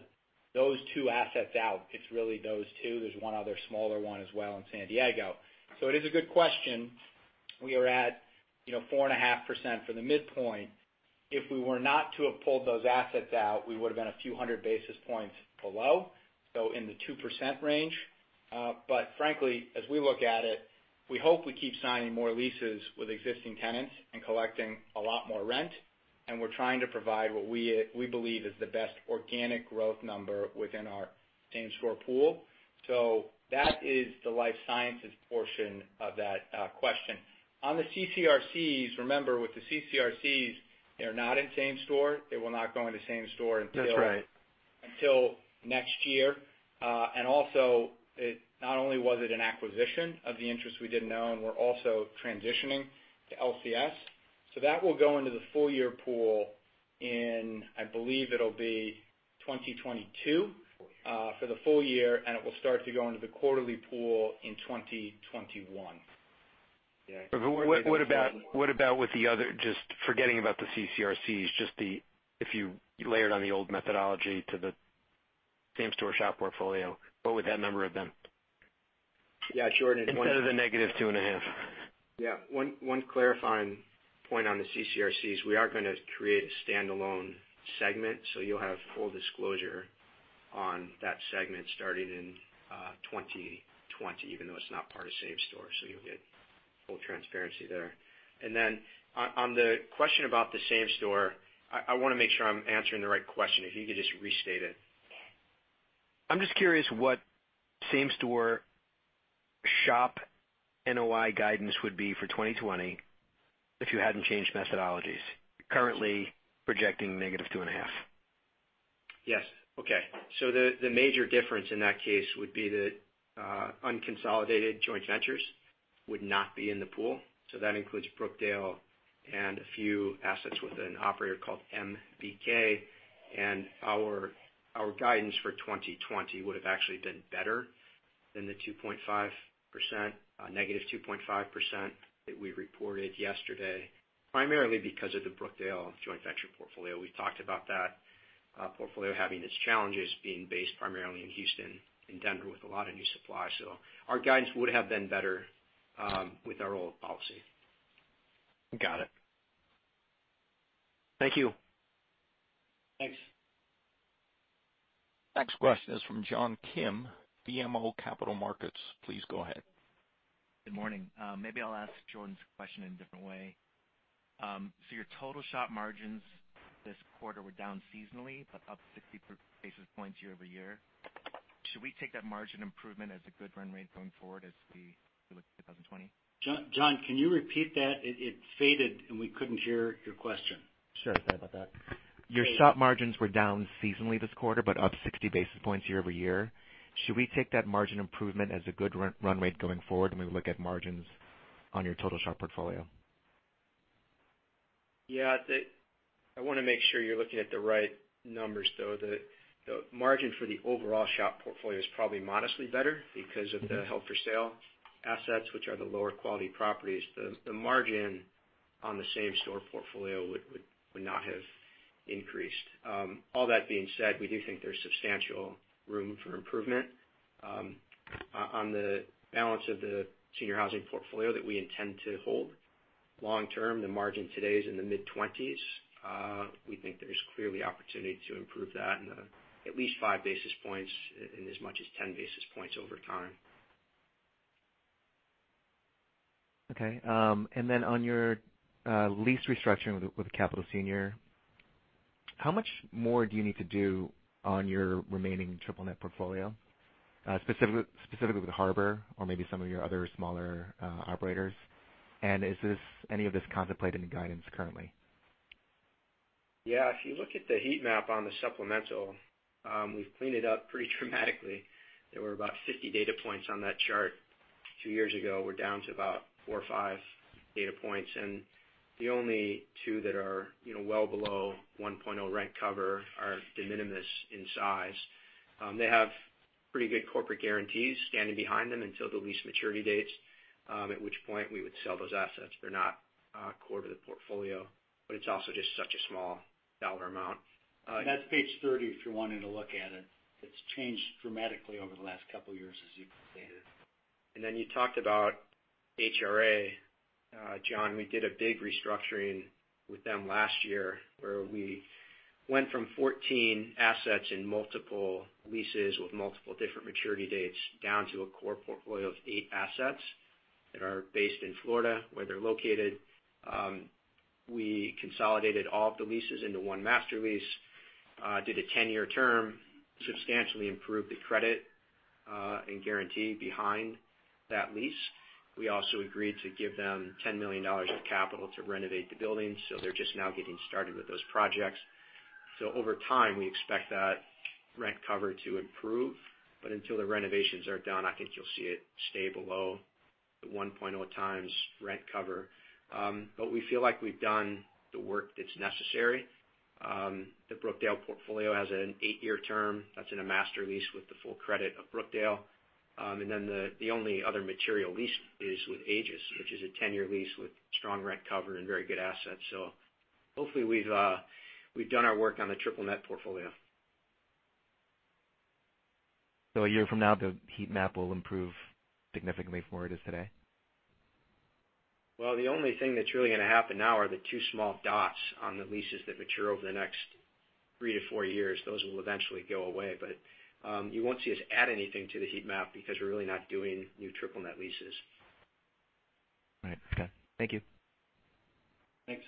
those two assets out. It's really those two. There's one other smaller one as well in San Diego. It is a good question. We are at 4.5% for the midpoint. If we were not to have pulled those assets out, we would've been a few hundred basis points below, so in the 2% range. Frankly, as we look at it, we hope we keep signing more leases with existing tenants and collecting a lot more rent. We're trying to provide what we believe is the best organic growth number within our same-store pool. That is the life sciences portion of that question. On the CCRCs, remember, with the CCRCs, they're not in same-store. They will not go into same-store until. That's right until next year. Not only was it an acquisition of the interest we didn't own, we're also transitioning to LCS. That will go into the full year pool in, I believe it'll be 2022 for the full year, and it will start to go into the quarterly pool in 2021. What about with the other Just forgetting about the CCRCs, if you layered on the old methodology to the same-store SHOP portfolio, what would that number have been? Yeah, Jordan. Instead of the negative two and a half. Yeah. One clarifying point on the CCRCs, we are going to create a standalone segment, so you'll have full disclosure on that segment starting in 2020, even though it's not part of same-store. You'll get full transparency there. On the question about the same store, I want to make sure I'm answering the right question. If you could just restate it. I'm just curious what same-store SHOP NOI guidance would be for 2020 if you hadn't changed methodologies. You're currently projecting negative 2.5%. Yes. Okay. The major difference in that case would be that unconsolidated joint ventures would not be in the pool. That includes Brookdale and a few assets with an operator called MBK. Our guidance for 2020 would have actually been better than the negative 2.5% that we reported yesterday, primarily because of the Brookdale joint venture portfolio. We've talked about that portfolio having its challenges being based primarily in Houston and Denver, with a lot of new supply. Our guidance would have been better with our old policy. Got it. Thank you. Thanks. Next question is from John Kim, BMO Capital Markets. Please go ahead. Good morning. Maybe I'll ask Jordan's question in a different way. Your total SHOP margins this quarter were down seasonally, but up 60 basis points year-over-year. Should we take that margin improvement as a good run rate going forward as we look to 2020? John, can you repeat that? It faded, and we couldn't hear your question. Sure. Sorry about that. Your SHOP margins were down seasonally this quarter, but up 60 basis points year-over-year. Should we take that margin improvement as a good run rate going forward when we look at margins on your total SHOP portfolio? Yeah. I want to make sure you're looking at the right numbers, though. The margin for the overall SHOP portfolio is probably modestly better because of the held for sale assets, which are the lower quality properties. The margin on the same-store portfolio would not have increased. All that being said, we do think there's substantial room for improvement. On the balance of the senior housing portfolio that we intend to hold long-term, the margin today is in the mid-20s. We think there's clearly opportunity to improve that in at least five basis points and as much as 10 basis points over time. Okay. On your lease restructuring with Capital Senior, how much more do you need to do on your remaining triple net portfolio, specifically with Harbor or maybe some of your other smaller operators? Is any of this contemplated in the guidance currently? Yeah. If you look at the heat map on the supplemental, we've cleaned it up pretty dramatically. There were about 50 data points on that chart two years ago. We're down to about four or five data points. The only two that are well below 1.0 rent cover are de minimis in size. They have pretty good corporate guarantees standing behind them until the lease maturity dates, at which point we would sell those assets. They're not core to the portfolio, but it's also just such a small dollar amount. That's page 30, if you're wanting to look at it. It's changed dramatically over the last couple of years, as you can see. Then you talked about HRA. John, we did a big restructuring with them last year, where we went from 14 assets and multiple leases with multiple different maturity dates down to a core portfolio of eight assets that are based in Florida, where they're located. We consolidated all of the leases into one master lease, did a 10-year term, substantially improved the credit and guarantee behind that lease. We also agreed to give them $10 million of capital to renovate the building, so they're just now getting started with those projects. Over time, we expect that rent cover to improve, but until the renovations are done, I think you'll see it stay below the 1.0 times rent cover. We feel like we've done the work that's necessary. The Brookdale portfolio has an eight-year term that's in a master lease with the full credit of Brookdale. The only other material lease is with Aegis, which is a 10-year lease with strong rent cover and very good assets. Hopefully we've done our work on the triple net portfolio. A year from now, the heat map will improve significantly from where it is today? Well, the only thing that's really going to happen now are the two small dots on the leases that mature over the next three to four years. Those will eventually go away, but you won't see us add anything to the heat map because we're really not doing new triple net leases. Right. Okay. Thank you. Thanks.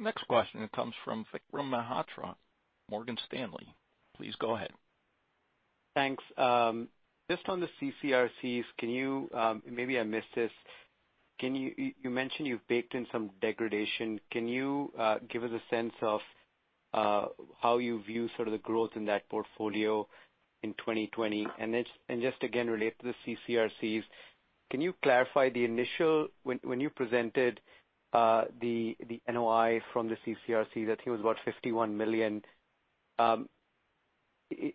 Next question comes from Vikram Malhotra, Morgan Stanley. Please go ahead. Thanks. Just on the CCRCs, maybe I missed this. You mentioned you've baked in some degradation. Can you give us a sense of how you view sort of the growth in that portfolio in 2020? Just again, related to the CCRCs, can you clarify the initial When you presented the NOI from the CCRC, that I think was about $51 million.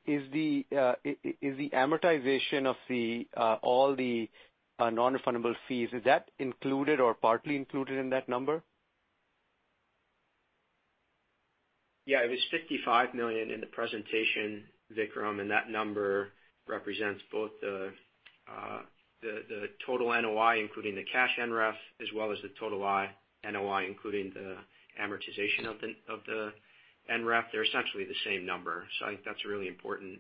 Is the amortization of all the non-refundable fees, is that included or partly included in that number? Yeah. It was $55 million in the presentation, Vikram. That number represents both the total NOI, including the cash NREF, as well as the total NOI, including the amortization of the NREF. They're essentially the same number. I think that's a really important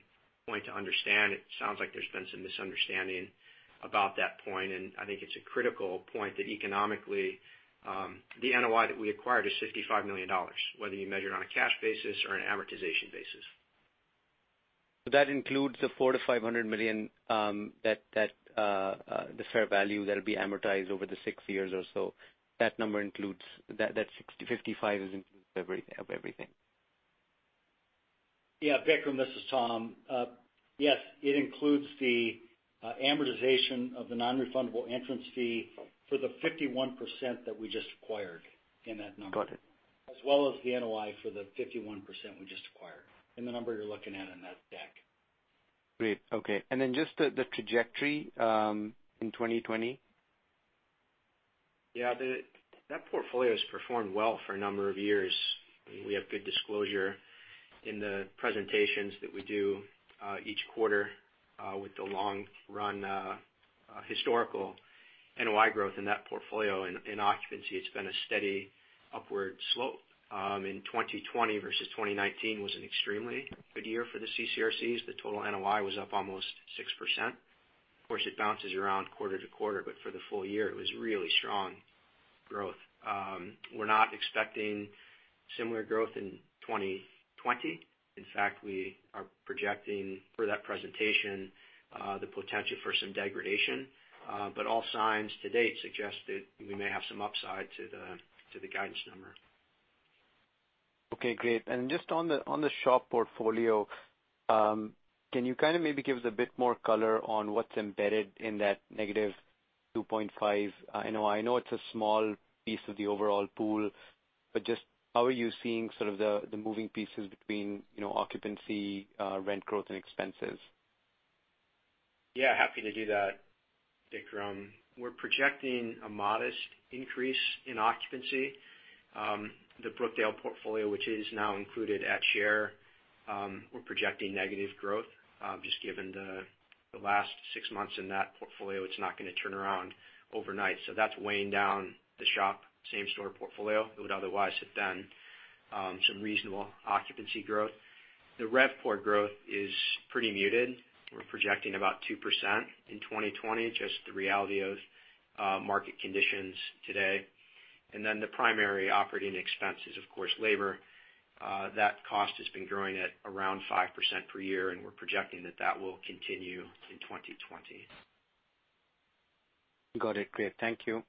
point to understand. It sounds like there's been some misunderstanding about that point, and I think it's a critical point that economically, the NOI that we acquired is $55 million, whether you measure it on a cash basis or an amortization basis. That includes the $400 million-$500 million, the fair value that'll be amortized over the six years or so. That $55 includes of everything. Vikram, this is Tom. Yes. It includes the amortization of the non-refundable entrance fee for the 51% that we just acquired in that number. Got it. As well as the NOI for the 51% we just acquired, in the number you're looking at in that deck. Great. Okay. Just the trajectory, in 2020. Yeah. That portfolio has performed well for a number of years. We have good disclosure in the presentations that we do, each quarter, with the long-run historical NOI growth in that portfolio. In occupancy, it's been a steady upward slope. In 2020 versus 2019 was an extremely good year for the CCRCs. The total NOI was up almost 6%. Of course, it bounces around quarter to quarter, but for the full year it was really strong growth. We're not expecting similar growth in 2020. In fact, we are projecting for that presentation, the potential for some degradation. All signs to date suggest that we may have some upside to the guidance number. Okay, great. Just on the SHOP portfolio, can you kind of maybe give us a bit more color on what's embedded in that -2.5% NOI? I know it's a small piece of the overall pool, but just how are you seeing sort of the moving pieces between occupancy, rent growth, and expenses? Yeah, happy to do that, Vikram. We're projecting a modest increase in occupancy. The Brookdale portfolio, which is now included at share, we're projecting negative growth, just given the last six months in that portfolio, it's not going to turn around overnight. That's weighing down the SHOP same store portfolio. It would otherwise have done some reasonable occupancy growth. The RevPOR growth is pretty muted. We're projecting about 2% in 2020, just the reality of market conditions today. The primary operating expense is, of course, labor. That cost has been growing at around 5% per year, and we're projecting that that will continue in 2020. Got it. Great. Thank you.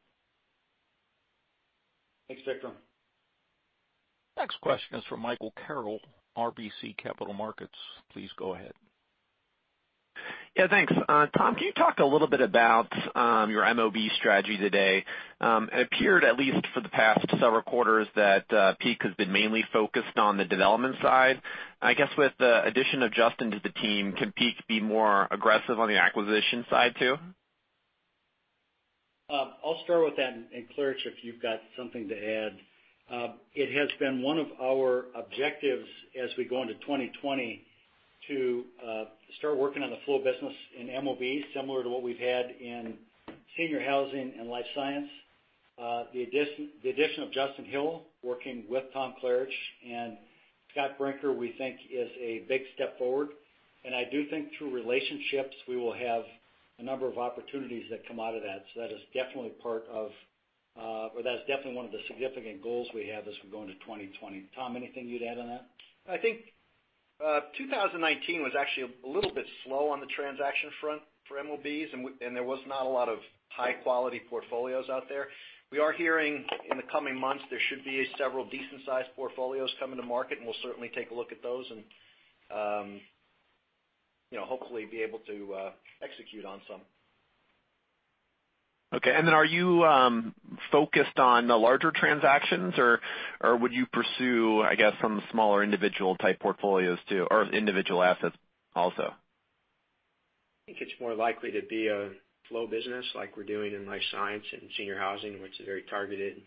Thanks, Vikram. Next question is from Michael Carroll, RBC Capital Markets. Please go ahead. Yeah, thanks. Tom, can you talk a little bit about your MOB strategy today? It appeared, at least for the past several quarters, that Peak has been mainly focused on the development side. I guess with the addition of Justin to the team, can Peak be more aggressive on the acquisition side, too? I'll start with that, Klaritch, if you've got something to add. It has been one of our objectives as we go into 2020 to start working on the flow business in MOB, similar to what we've had in senior housing and life science. The addition of Justin Hill working with Tom Klaritch and Scott M. Brinker, we think is a big step forward. I do think through relationships, we will have a number of opportunities that come out of that. That is definitely one of the significant goals we have as we go into 2020. Tom, anything you'd add on that? I think 2019 was actually a little bit slow on the transaction front for MOBs. There was not a lot of high-quality portfolios out there. We are hearing in the coming months, there should be several decent-sized portfolios coming to market. We'll certainly take a look at those and hopefully be able to execute on some. Okay. Are you focused on the larger transactions, or would you pursue, I guess, some smaller individual-type portfolios too, or individual assets also? I think it's more likely to be a flow business like we're doing in life science and senior housing, which is a very targeted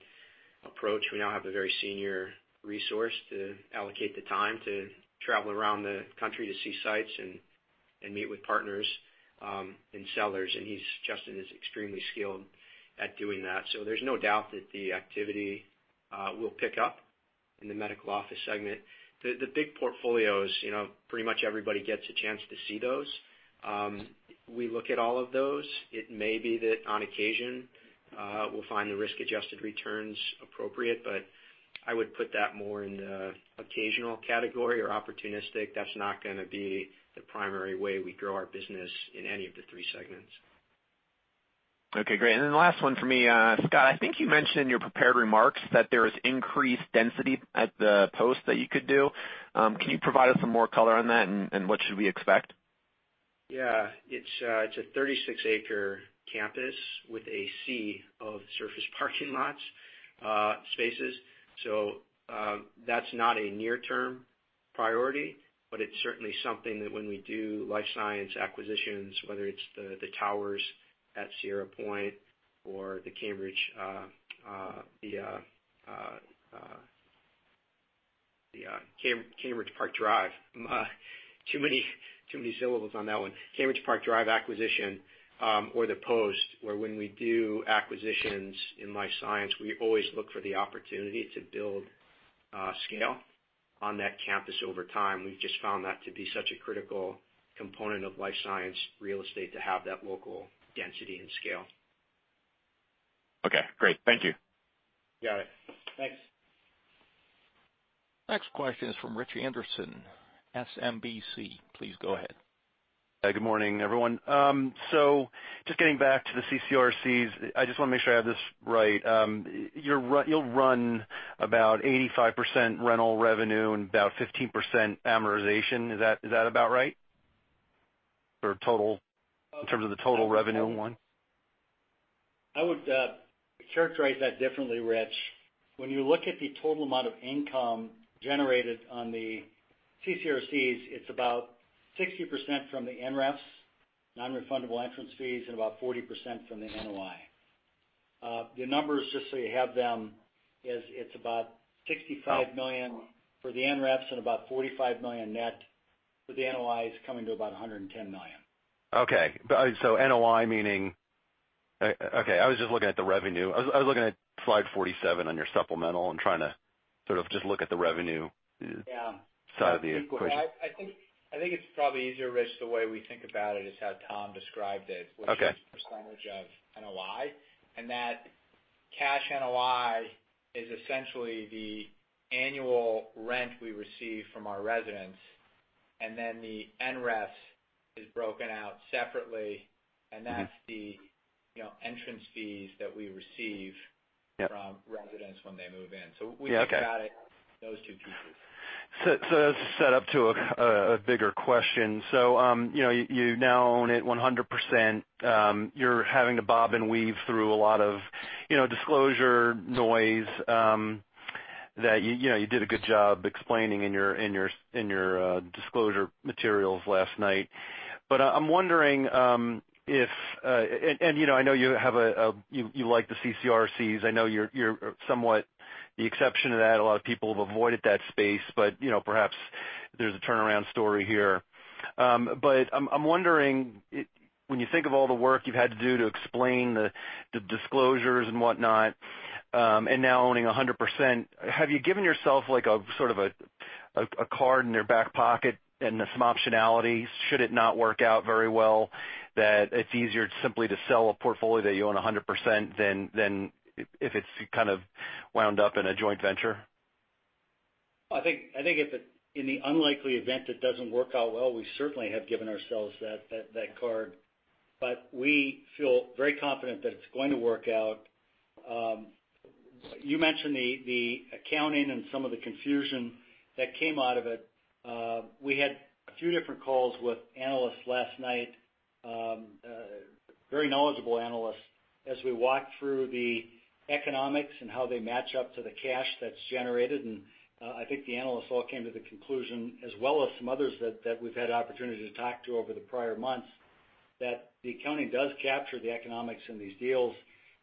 approach. We now have a very senior resource to allocate the time to travel around the country to see sites and meet with partners and sellers. Justin is extremely skilled at doing that. There's no doubt that the activity will pick up in the medical office segment. The big portfolios, pretty much everybody gets a chance to see those. We look at all of those. It may be that on occasion, we'll find the risk-adjusted returns appropriate, but I would put that more in the occasional category or opportunistic. That's not going to be the primary way we grow our business in any of the three segments. Okay, great. The last one for me. Scott, I think you mentioned in your prepared remarks that there is increased density at The Post that you could do. Can you provide us some more color on that and what should we expect? It's a 36-acre campus with a sea of surface parking lots, spaces. That's not a near-term priority, but it's certainly something that when we do life science acquisitions, whether it's the towers at Sierra Point or the Cambridge Park Drive. Too many syllables on that one. Cambridge Park Drive acquisition, or The Post, where when we do acquisitions in life science, we always look for the opportunity to build scale on that campus over time. We've just found that to be such a critical component of life science real estate to have that local density and scale. Okay, great. Thank you. You got it. Thanks. Next question is from Rich Anderson, SMBC, please go ahead. Good morning, everyone. Just getting back to the CCRCs, I just want to make sure I have this right. You'll run about 85% rental revenue and about 15% amortization. Is that about right for total, in terms of the total revenue? I would characterize that differently, Rich. When you look at the total amount of income generated on the CCRCs, it's about 60% from the NREFs, non-refundable entrance fees, and about 40% from the NOI. The numbers, just so you have them, is it's about $65 million for the NREFs and about $45 million net for the NOIs, coming to about $110 million. Okay. NOI meaning Okay, I was just looking at the revenue. I was looking at slide 47 on your supplemental and trying to sort of just look at the revenue. Yeah side of the equation. I think it's probably easier, Rich, the way we think about it is how Tom described it. Okay Which is % of NOI. That cash NOI is essentially the annual rent we receive from our residents. The NREF is broken out separately. That's the entrance fees that we receive. Yep from residents when they move in. We look at it. Yeah, okay. those two pieces. This is set up to a bigger question. You now own it 100%. You're having to bob and weave through a lot of disclosure noise that you did a good job explaining in your disclosure materials last night. I'm wondering if And I know you like the CCRCs. I know you're somewhat the exception to that. A lot of people have avoided that space, but perhaps there's a turnaround story here. I'm wondering, when you think of all the work you've had to do to explain the disclosures and whatnot, and now owning 100%, have you given yourself like a sort of a card in your back pocket and some optionality, should it not work out very well, that it's easier to simply sell a portfolio that you own 100% than if it's kind of wound up in a joint venture? I think if in the unlikely event it doesn't work out well, we certainly have given ourselves that card. We feel very confident that it's going to work out. You mentioned the accounting and some of the confusion that came out of it. We had a few different calls with analysts last night. Very knowledgeable analysts as we walked through the economics and how they match up to the cash that's generated, and I think the analysts all came to the conclusion, as well as some others that we've had opportunity to talk to over the prior months, that the accounting does capture the economics in these deals.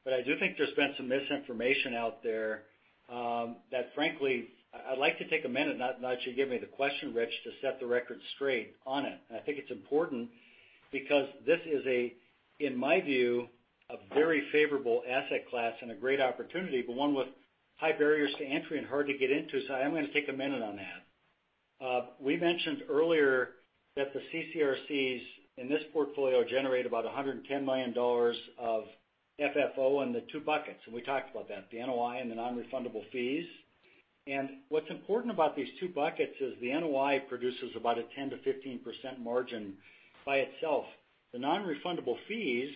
I do think there's been some misinformation out there, that frankly, I'd like to take a minute, now that you gave me the question, Rich, to set the record straight on it. I think it's important because this is, in my view, a very favorable asset class and a great opportunity, but one with high barriers to entry and hard to get into. I am going to take a minute on that. We mentioned earlier that the CCRCs in this portfolio generate about $110 million of FFO in the two buckets, and we talked about that, the NOI and the non-refundable fees. What's important about these two buckets is the NOI produces about a 10%-15% margin by itself. The non-refundable fees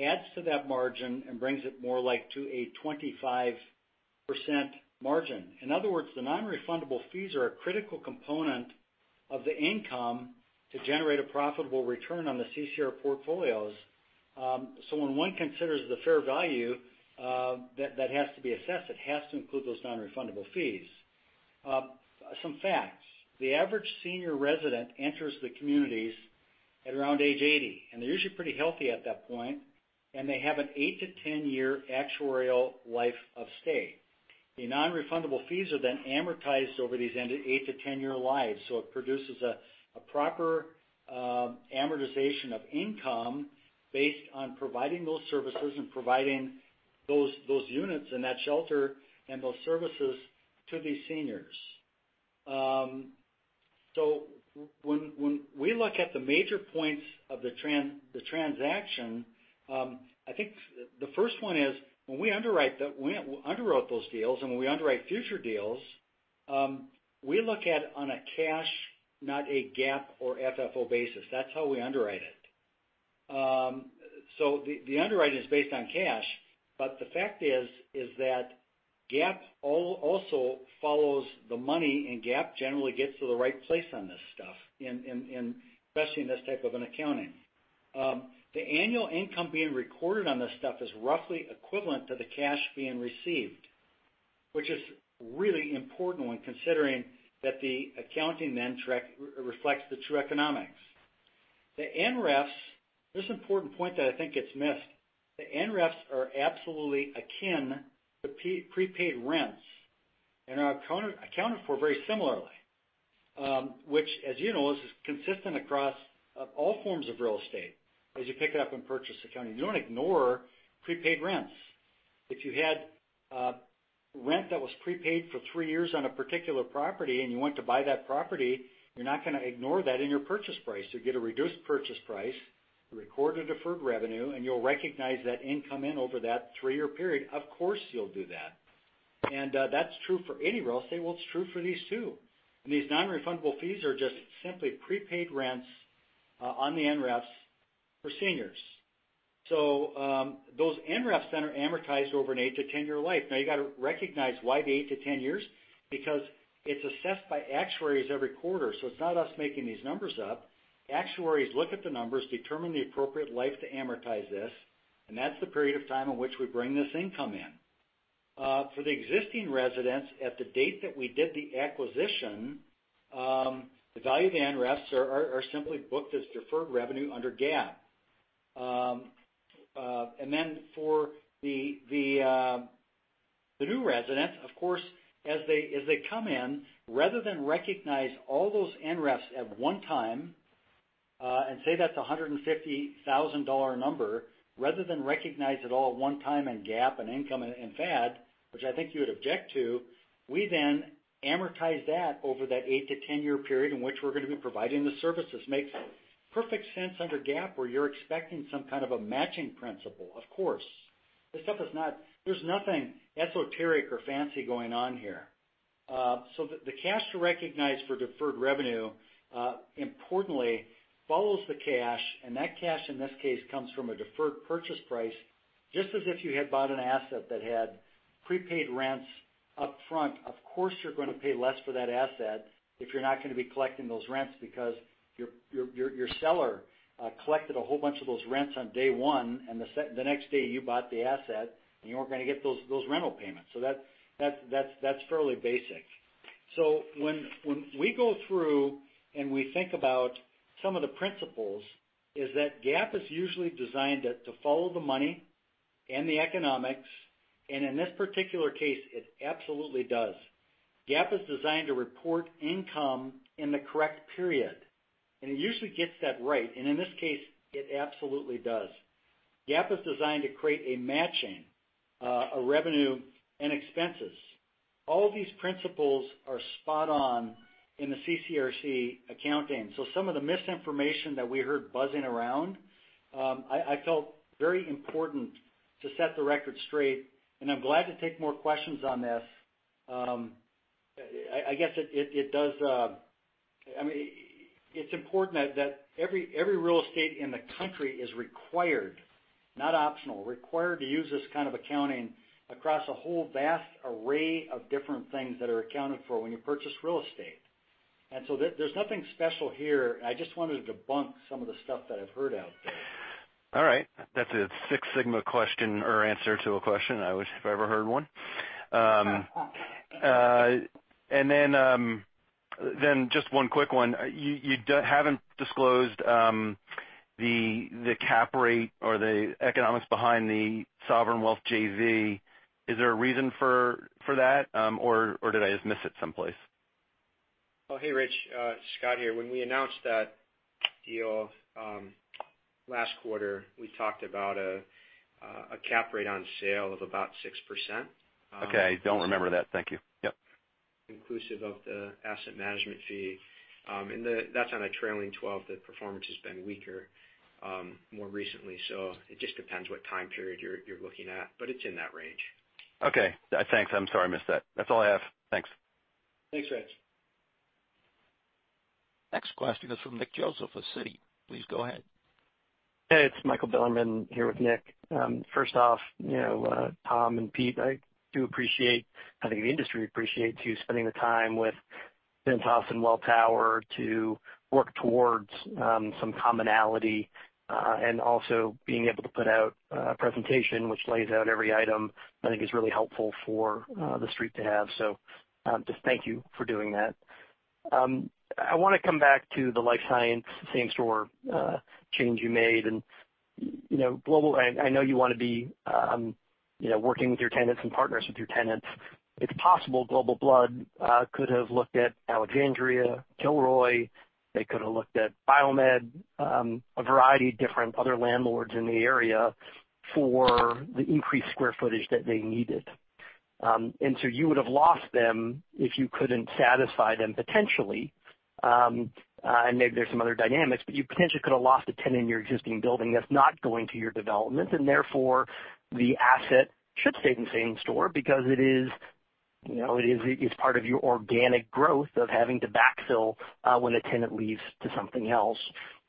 adds to that margin and brings it more like to a 25% margin. In other words, the non-refundable fees are a critical component of the income to generate a profitable return on the CCR portfolios. When one considers the fair value that has to be assessed, it has to include those non-refundable fees. Some facts. The average senior resident enters the communities at around age 80, and they're usually pretty healthy at that point, and they have an 8 to 10-year actuarial life of stay. The non-refundable fees are amortized over these 8 to 10-year lives. It produces a proper amortization of income based on providing those services and providing those units and that shelter and those services to these seniors. When we look at the major points of the transaction, I think the first one is when we underwrote those deals and when we underwrite future deals, we look at on a cash, not a GAAP or FFO basis. That's how we underwrite it. The underwriting is based on cash, but the fact is that GAAP also follows the money, and GAAP generally gets to the right place on this stuff, especially in this type of an accounting. The annual income being recorded on this stuff is roughly equivalent to the cash being received, which is really important when considering that the accounting then reflects the true economics. The NREFs, this important point that I think gets missed, the NREFs are absolutely akin to prepaid rents and are accounted for very similarly, which as you know, is consistent across all forms of real estate as you pick it up in purchase accounting. You don't ignore prepaid rents. If you had rent that was prepaid for three years on a particular property and you went to buy that property, you're not going to ignore that in your purchase price. You'll get a reduced purchase price, record a deferred revenue, and you'll recognize that income in over that three-year period. Of course, you'll do that. That's true for any real estate. Well, it's true for these, too. These nonrefundable fees are just simply prepaid rents on the NREFs for seniors. Those NREFs then are amortized over an eight to 10-year life. You got to recognize why the 8-10 years, because it's assessed by actuaries every quarter. It's not us making these numbers up. Actuaries look at the numbers, determine the appropriate life to amortize this, and that's the period of time in which we bring this income in. For the existing residents at the date that we did the acquisition, the value of the NREFs are simply booked as deferred revenue under GAAP. Then for the new residents, of course, as they come in, rather than recognize all those NREFs at one time, and say that's $150,000 number, rather than recognize it all at one time in GAAP and income and FAD, which I think you would object to, we then amortize that over that 8-10-year period in which we're going to be providing the services. Makes perfect sense under GAAP, where you're expecting some kind of a matching principle, of course. There's nothing esoteric or fancy going on here. The cash to recognize for deferred revenue, importantly, follows the cash, and that cash, in this case, comes from a deferred purchase price, just as if you had bought an asset that had prepaid rents up front. Of course, you're going to pay less for that asset if you're not going to be collecting those rents because your seller collected a whole bunch of those rents on day one, and the next day you bought the asset, and you weren't going to get those rental payments. That's fairly basic. When we go through and we think about some of the principles, is that GAAP is usually designed to follow the money and the economics, and in this particular case, it absolutely does. GAAP is designed to report income in the correct period. It usually gets that right. In this case, it absolutely does. GAAP is designed to create a matching of revenue and expenses. All these principles are spot on in the CCRC accounting. Some of the misinformation that we heard buzzing around, I felt very important to set the record straight, and I'm glad to take more questions on this. It's important that every real estate in the country is required, not optional, required to use this kind of accounting across a whole vast array of different things that are accounted for when you purchase real estate. There's nothing special here. I just wanted to debunk some of the stuff that I've heard out there. All right. That's a Six Sigma question or answer to a question I wish if I ever heard one. Then just one quick one. You haven't disclosed the cap rate or the economics behind the Sovereign Wealth JV. Is there a reason for that? Did I just miss it someplace? Oh, hey, Rich. Scott here. When we announced that deal last quarter, we talked about a cap rate on sale of about 6%. Okay. I don't remember that. Thank you. Yep. Inclusive of the asset management fee, that's on a trailing 12 that performance has been weaker more recently. It just depends what time period you're looking at, but it's in that range. Okay. Thanks. I'm sorry I missed that. That's all I have. Thanks. Thanks, Rich. Next question is from Nick Joseph of Citi. Please go ahead. Hey, it's Michael Bilerman here with Nick. First off, Tom and Pete, I do appreciate, I think the industry appreciates you spending the time with Ventas and Welltower to work towards some commonality, and also being able to put out a presentation which lays out every item I think is really helpful for the Street to have. Just thank you for doing that. I want to come back to the life science same store change you made, and I know you want to be working with your tenants and partners with your tenants. It's possible Global Blood could have looked at Alexandria, Kilroy. They could have looked at BioMed, a variety of different other landlords in the area for the increased square footage that they needed. You would have lost them if you couldn't satisfy them potentially, and maybe there's some other dynamics, but you potentially could have lost a tenant in your existing building that's not going to your development, and therefore, the asset should stay the same store because it is part of your organic growth of having to backfill when a tenant leaves to something else.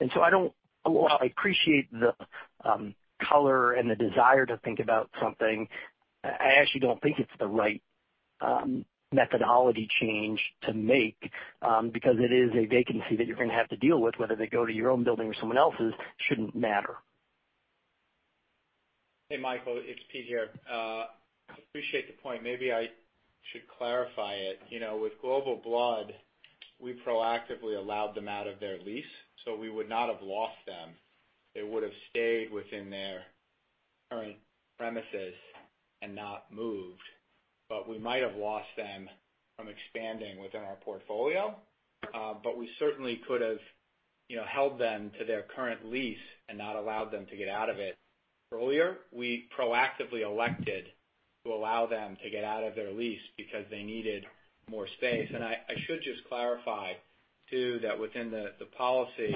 I appreciate the color and the desire to think about something. I actually don't think it's the right methodology change to make, because it is a vacancy that you're going to have to deal with, whether they go to your own building or someone else's shouldn't matter. Hey, Michael, it's Pete here. Appreciate the point. Maybe I should clarify it. With Global Blood, we proactively allowed them out of their lease. We would not have lost them. They would've stayed within their current premises and not moved. We might have lost them from expanding within our portfolio. We certainly could've held them to their current lease and not allowed them to get out of it earlier. We proactively elected to allow them to get out of their lease because they needed more space. I should just clarify, too, that within the policy,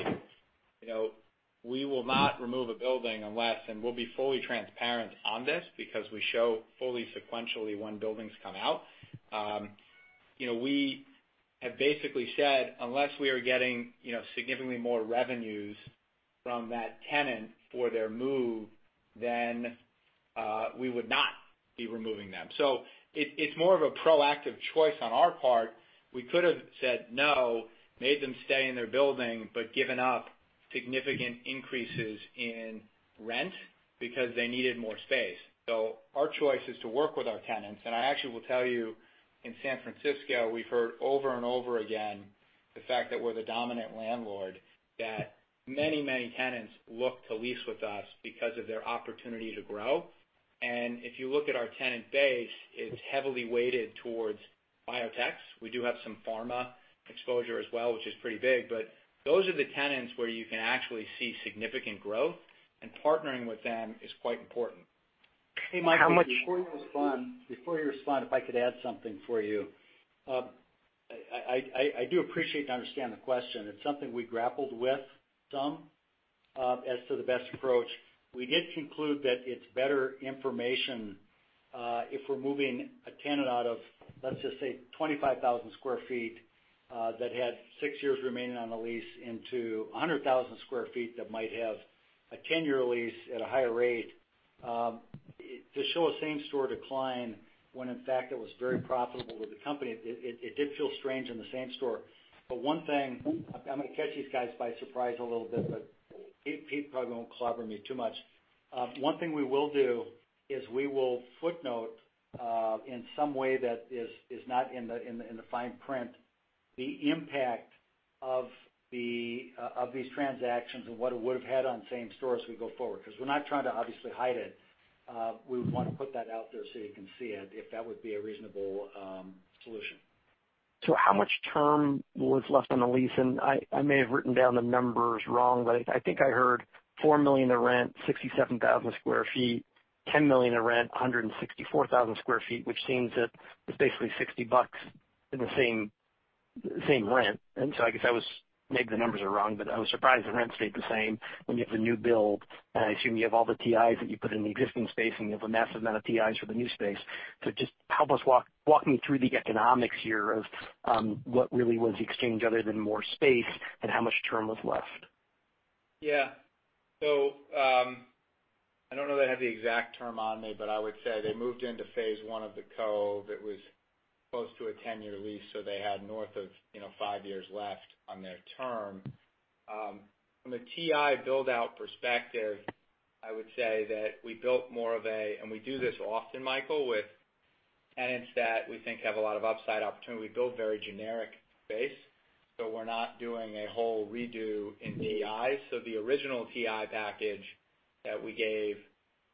we will not remove a building unless, and we'll be fully transparent on this, because we show fully sequentially when buildings come out. We have basically said, unless we are getting significantly more revenues from that tenant for their move, then we would not be removing them. It's more of a proactive choice on our part. We could've said no, made them stay in their building, but given up significant increases in rent because they needed more space. Our choice is to work with our tenants. I actually will tell you, in San Francisco, we've heard over and over again the fact that we're the dominant landlord, that many tenants look to lease with us because of their opportunity to grow. If you look at our tenant base, it's heavily weighted towards biotechs. We do have some pharma exposure as well, which is pretty big, but those are the tenants where you can actually see significant growth, and partnering with them is quite important. How much- Hey, Michael, before you respond, if I could add something for you. I do appreciate and understand the question. It's something we grappled with some as to the best approach. We did conclude that it's better information if we're moving a tenant out of, let's just say, 25,000 square feet, that had six years remaining on the lease into 100,000 square feet that might have a 10-year lease at a higher rate to show a same store decline when in fact it was very profitable with the company. It did feel strange in the same store. One thing, I'm going to catch these guys by surprise a little bit, Pete probably won't clobber me too much. One thing we will do is we will footnote, in some way that is not in the fine print, the impact of these transactions and what it would've had on same store as we go forward. We're not trying to obviously hide it. We would want to put that out there so you can see it, if that would be a reasonable solution. How much term was left on the lease? I may have written down the numbers wrong, but I think I heard $4 million in rent, 67,000 sq ft, $10 million in rent, 164,000 sq ft, which seems that it's basically $60 in the same rent. I guess maybe the numbers are wrong, but I was surprised the rent stayed the same when you have the new build, and I assume you have all the TIs that you put in the existing space, and you have a massive amount of TIs for the new space. Just help us walk me through the economics here of what really was the exchange, other than more space and how much term was left. Yeah. I don't know that I have the exact term on me, but I would say they moved into phase one of The Cove. It was close to a 10-year lease, so they had north of five years left on their term. From a TI build-out perspective, I would say that we built more of a--. We do this often, Michael, with tenants that we think have a lot of upside opportunity. We build very generic base, so we're not doing a whole redo in TI. The original TI package that we gave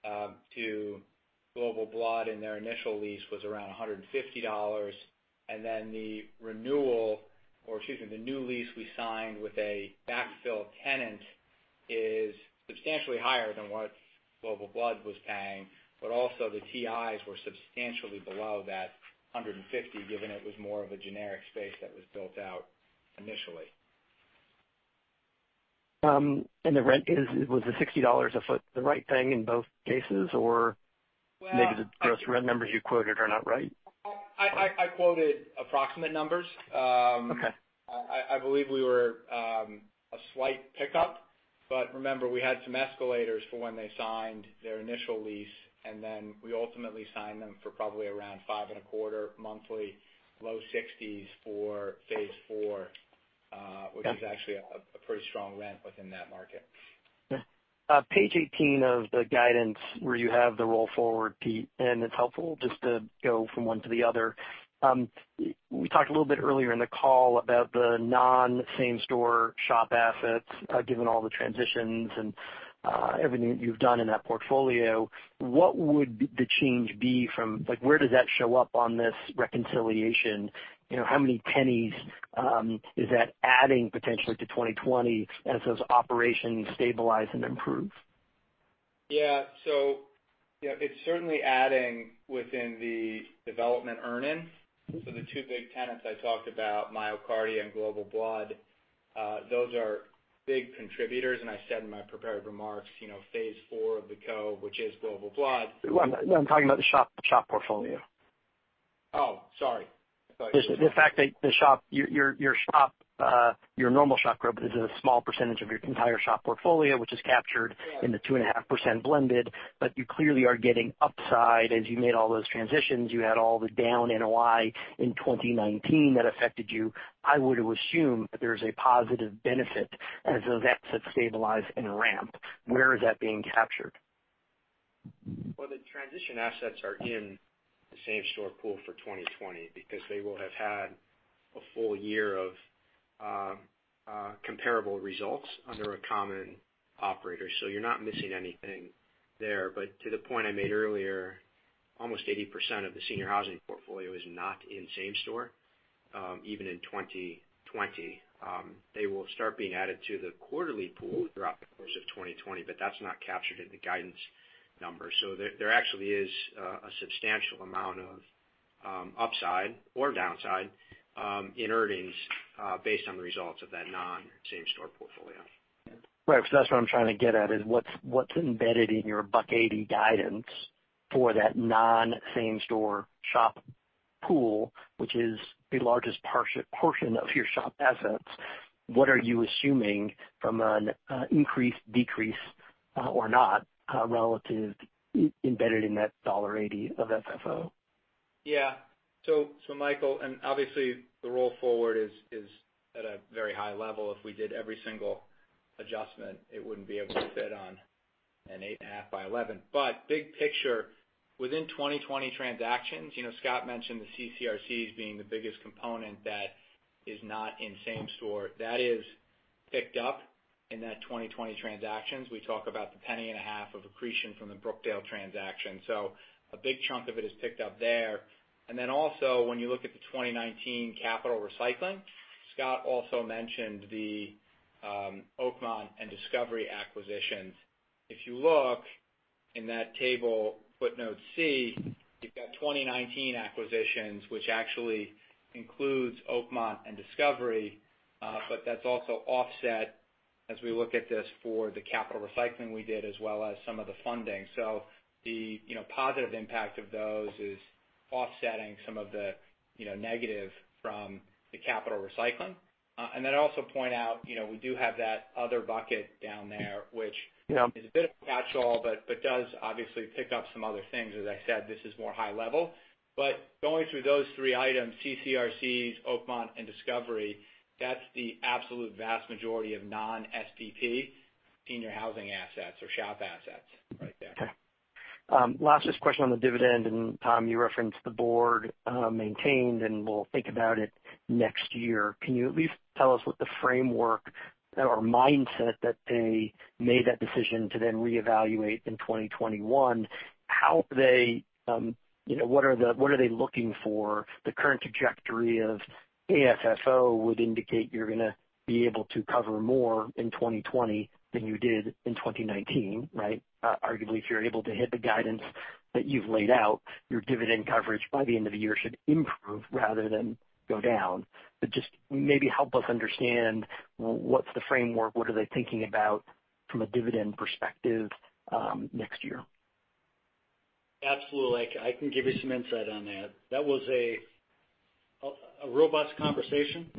to Global Blood in their initial lease was around $150. The renewal, or excuse me, the new lease we signed with a backfill tenant, is substantially higher than what Global Blood was paying. Also the TIs were substantially below that $150, given it was more of a generic space that was built out initially. Was the $60 a foot the right thing in both cases? Maybe the gross rent numbers you quoted are not right. I quoted approximate numbers. Okay. I believe we were a slight pickup. Remember, we had some escalators for when they signed their initial lease. We ultimately signed them for probably around $5 and a quarter monthly, low $60s for phase 4. Okay which is actually a pretty strong rent within that market. Yeah. Page 18 of the guidance where you have the roll forward, Pete. It's helpful just to go from one to the other. We talked a little bit earlier in the call about the non-same store SHOP assets given all the transitions and everything you've done in that portfolio. What would the change be like, where does that show up on this reconciliation? How many pennies is that adding potentially to 2020 as those operations stabilize and improve? Yeah. It's certainly adding within the development earnings. The two big tenants I talked about, MyoKardia and Global Blood, those are big contributors. I said in my prepared remarks, phase IV of the GBT, which is Global Blood. No, I'm talking about the SHOP portfolio. Oh, sorry. In fact, your normal SHOP group is a small percentage of your entire SHOP portfolio, which is captured- Yeah in the 2.5% blended. You clearly are getting upside as you made all those transitions. You had all the down NOI in 2019 that affected you. I would assume that there's a positive benefit as those assets stabilize and ramp. Where is that being captured? Well, the transition assets are in the same-store pool for 2020 because they will have had a full year of comparable results under a common operator. You're not missing anything there. To the point I made earlier, almost 80% of the senior housing portfolio is not in same store, even in 2020. They will start being added to the quarterly pool throughout the course of 2020, that's not captured in the guidance numbers. There actually is a substantial amount of upside or downside in earnings based on the results of that non-same store portfolio. Right. Because that's what I'm trying to get at, is what's embedded in your $1.80 guidance for that non-same store SHOP pool, which is the largest portion of your SHOP assets. What are you assuming from an increase, decrease, or not, relative embedded in that $1.80 of FFO? Michael, obviously the roll forward is at a very high level. If we did every single adjustment, it wouldn't be able to fit on an 8.5 by 11. Big picture, within 2020 transactions, Scott mentioned the CCRCs being the biggest component that is not in same store. That is picked up in that 2020 transactions. We talk about the penny and a half of accretion from the Brookdale transaction. A big chunk of it is picked up there. Also when you look at the 2019 capital recycling, Scott also mentioned the Oakmont and Discovery acquisitions. If you look in that table, footnote C, you've got 2019 acquisitions, which actually includes Oakmont and Discovery. That's also offset as we look at this for the capital recycling we did as well as some of the funding. The positive impact of those is offsetting some of the negative from the capital recycling. I'd also point out, we do have that other bucket down there. Yeah is a bit of a catch-all, but does obviously pick up some other things. As I said, this is more high level, but going through those three items, CCRCs, Oakmont, and Discovery, that's the absolute vast majority of non-SVP senior housing assets or SHOP assets right there. Okay. Last question on the dividend. Tom, you referenced the board maintained, we'll think about it next year. Can you at least tell us what the framework or mindset that they made that decision to then reevaluate in 2021? What are they looking for? The current trajectory of AFFO would indicate you're going to be able to cover more in 2020 than you did in 2019, right? Arguably, if you're able to hit the guidance that you've laid out, your dividend coverage by the end of the year should improve rather than go down. Just maybe help us understand what's the framework, what are they thinking about from a dividend perspective next year? Absolutely. I can give you some insight on that. That was a robust conversation.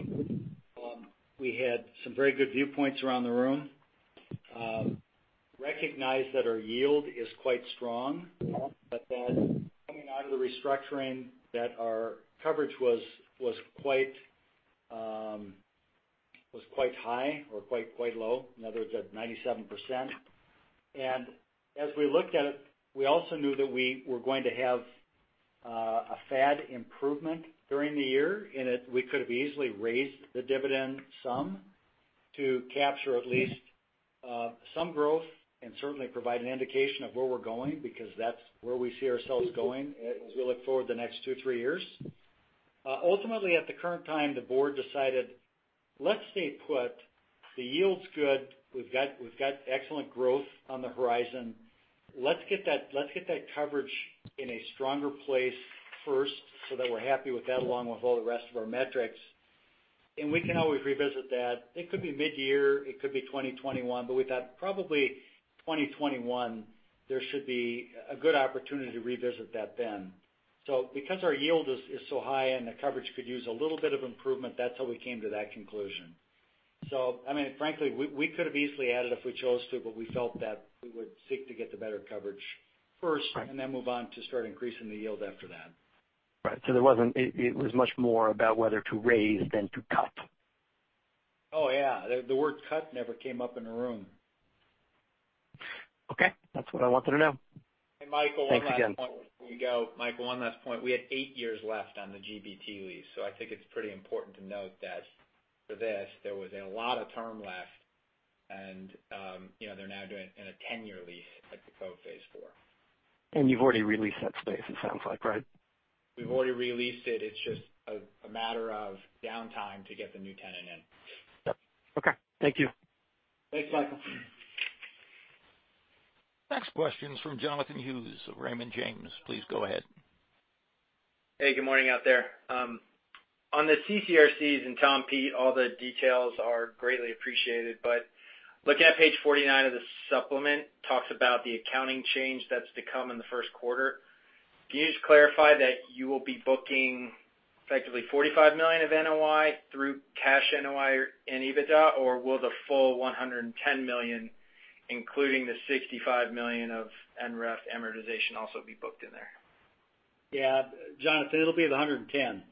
We had some very good viewpoints around the room. Recognized that our yield is quite strong, but that coming out of the restructuring that our coverage was quite high or quite low. In other words, at 97%. As we looked at it, we also knew that we were going to have a FAD improvement during the year, and we could have easily raised the dividend some to capture at least some growth and certainly provide an indication of where we're going, because that's where we see ourselves going as we look forward the next two, three years. Ultimately, at the current time, the board decided, let's stay put. The yield's good. We've got excellent growth on the horizon. Let's get that coverage in a stronger place first so that we're happy with that, along with all the rest of our metrics, and we can always revisit that. It could be mid-year, it could be 2021, but we thought probably 2021, there should be a good opportunity to revisit that then. Because our yield is so high and the coverage could use a little bit of improvement, that's how we came to that conclusion. Frankly, we could have easily added if we chose to, but we felt that we would seek to get the better coverage first. Right Then move on to start increasing the yield after that. Right. It was much more about whether to raise than to cut. Oh, yeah. The word cut never came up in the room. Okay. That's what I wanted to know. Michael, one last point. Thanks again. before you go. Michael, one last point. We had eight years left on the GBT lease, so I think it's pretty important to note that for this, there was a lot of term left. They're now doing in a 10-year lease at The Cove Phase IV. You've already re-leased that space, it sounds like, right? We've already re-leased it. It's just a matter of downtime to get the new tenant in. Yep. Okay. Thank you. Thanks, Michael. Next question's from Jonathan Hughes of Raymond James. Please go ahead. Hey, good morning out there. On the CCRCs and Tom, Pete, all the details are greatly appreciated, but looking at page 49 of the supplement, talks about the accounting change that's to come in the first quarter. Can you just clarify that you will be booking effectively $45 million of NOI through cash NOI and EBITDA? Or will the full $110 million, including the $65 million of NREF amortization, also be booked in there? Yeah. Jonathan, it'll be the 110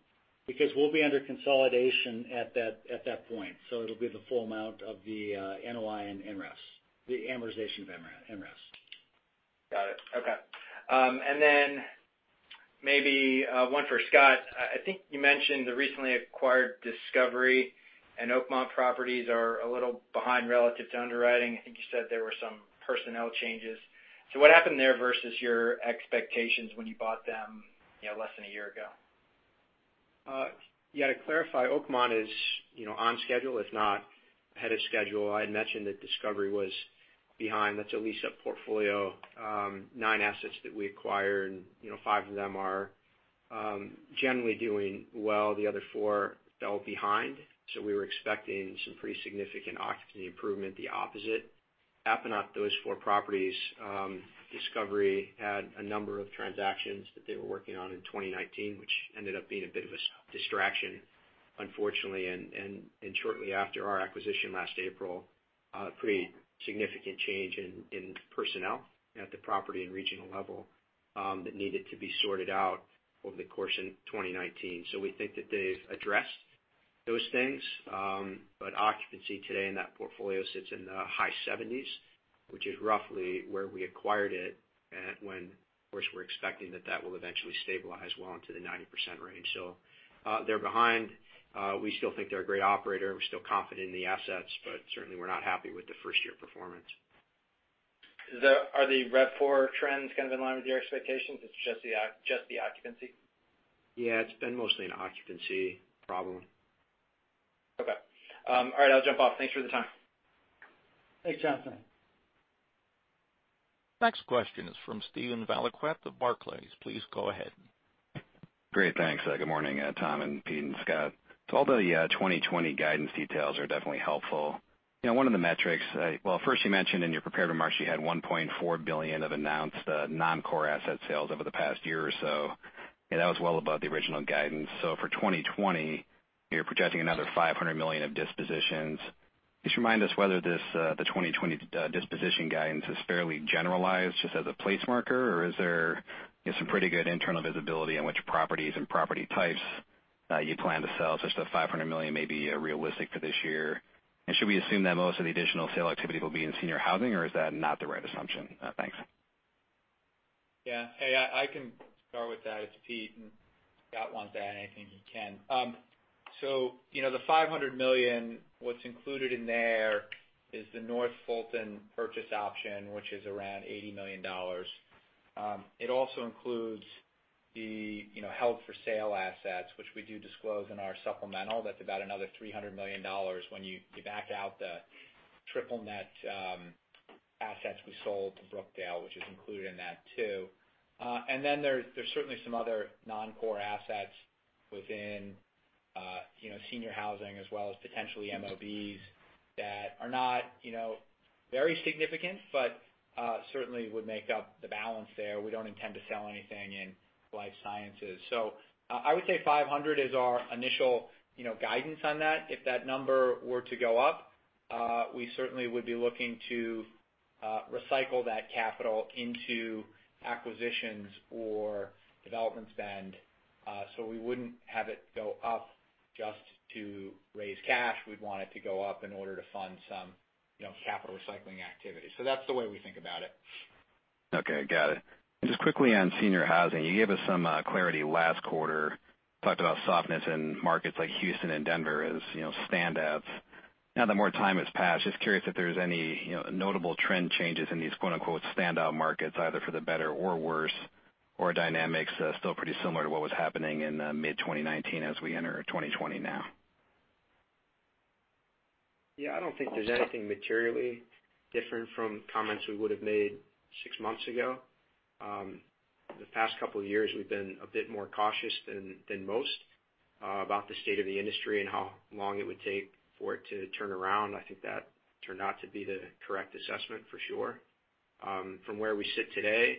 because we'll be under consolidation at that point. It'll be the full amount of the NOI and NREFs. The amortization of NREF. Got it. Okay. Maybe, one for Scott. I think you mentioned the recently acquired Discovery and Oakmont properties are a little behind relative to underwriting. I think you said there were some personnel changes. What happened there versus your expectations when you bought them less than a year ago? Yeah, to clarify, Oakmont is on schedule, if not ahead of schedule. I had mentioned that Discovery was behind. That's a lease-up portfolio, nine assets that we acquired, and five of them are generally doing well. The other four fell behind, so we were expecting some pretty significant occupancy improvement. The opposite happened at those four properties. Discovery had a number of transactions that they were working on in 2019, which ended up being a bit of a distraction unfortunately. Shortly after our acquisition last April, a pretty significant change in personnel at the property and regional level, that needed to be sorted out over the course in 2019. We think that they've addressed those things. Occupancy today in that portfolio sits in the high 70s, which is roughly where we acquired it at. Of course, we're expecting that that will eventually stabilize well into the 90% range. They're behind. We still think they're a great operator. We're still confident in the assets, but certainly we're not happy with the first-year performance. Are the RevPAR trends kind of in line with your expectations? It's just the occupancy? Yeah, it's been mostly an occupancy problem. Okay. All right, I'll jump off. Thanks for the time. Thanks, Jonathan. Next question is from Steven Valiquette of Barclays. Please go ahead. Great. Thanks. Good morning, Tom and Pete and Scott. Although the 2020 guidance details are definitely helpful, Well, first you mentioned in your prepared remarks you had $1.4 billion of announced non-core asset sales over the past year or so, and that was well above the original guidance. For 2020, you're projecting another $500 million of dispositions. Just remind us whether the 2020 disposition guidance is fairly generalized just as a place marker, or is there some pretty good internal visibility on which properties and property types that you plan to sell, such that $500 million may be realistic for this year? Should we assume that most of the additional sale activity will be in senior housing, or is that not the right assumption? Thanks. Hey, I can start with that. It's Pete, if Scott wants to add anything, he can. The $500 million, what's included in there is the North Fulton purchase option, which is around $80 million. It also includes the held-for-sale assets, which we do disclose in our supplemental. That's about another $300 million when you back out the triple net assets we sold to Brookdale, which is included in that too. There's certainly some other non-core assets within senior housing as well as potentially MOBs that are not very significant, certainly would make up the balance there. We don't intend to sell anything in life sciences. I would say 500 is our initial guidance on that. If that number were to go up, we certainly would be looking to recycle that capital into acquisitions or development spend. We wouldn't have it go up just to raise cash. We'd want it to go up in order to fund some capital recycling activity. That's the way we think about it. Okay. Got it. Just quickly on senior housing, you gave us some clarity last quarter. Talked about softness in markets like Houston and Denver as standouts. Now that more time has passed, just curious if there's any notable trend changes in these, quote-unquote, standout markets, either for the better or worse, or are dynamics still pretty similar to what was happening in mid-2019 as we enter 2020 now? Yeah, I don't think there's anything materially different from comments we would've made six months ago. The past couple of years, we've been a bit more cautious than most about the state of the industry and how long it would take for it to turn around. I think that turned out to be the correct assessment, for sure. From where we sit today,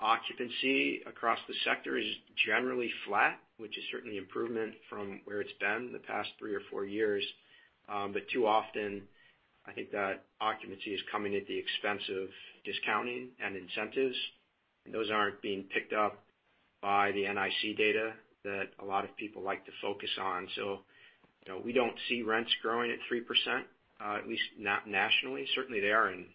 occupancy across the sector is generally flat, which is certainly improvement from where it's been the past three or four years. Too often, I think that occupancy is coming at the expense of discounting and incentives, and those aren't being picked up by the NIC data that a lot of people like to focus on. We don't see rents growing at 3%, at least not nationally. Certainly, they are in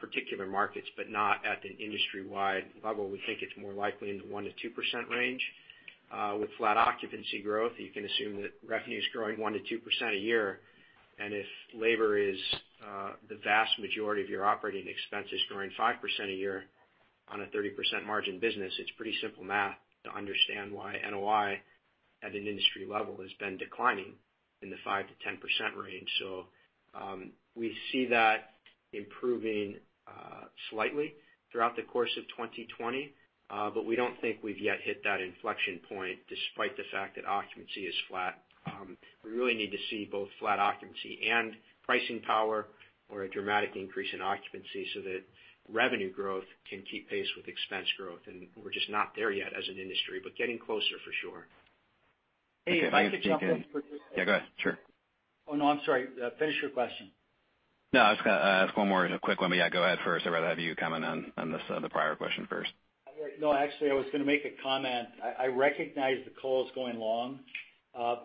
particular markets, but not at an industry-wide level. We think it's more likely in the 1% to 2% range. With flat occupancy growth, you can assume that revenue's growing 1% to 2% a year. If labor is the vast majority of your operating expenses growing 5% a year on a 30% margin business, it's pretty simple math to understand why NOI at an industry level has been declining in the 5% to 10% range. We see that improving slightly throughout the course of 2020. We don't think we've yet hit that inflection point, despite the fact that occupancy is flat. We really need to see both flat occupancy and pricing power or a dramatic increase in occupancy so that revenue growth can keep pace with expense growth. We're just not there yet as an industry, but getting closer for sure. Hey, if I could jump in for just. Yeah, go ahead. Sure. Oh, no. I'm sorry. Finish your question. No, I was going to ask one more quick one, but yeah, go ahead first. I'd rather have you comment on the prior question first. Actually, I was going to make a comment. I recognize the call is going long.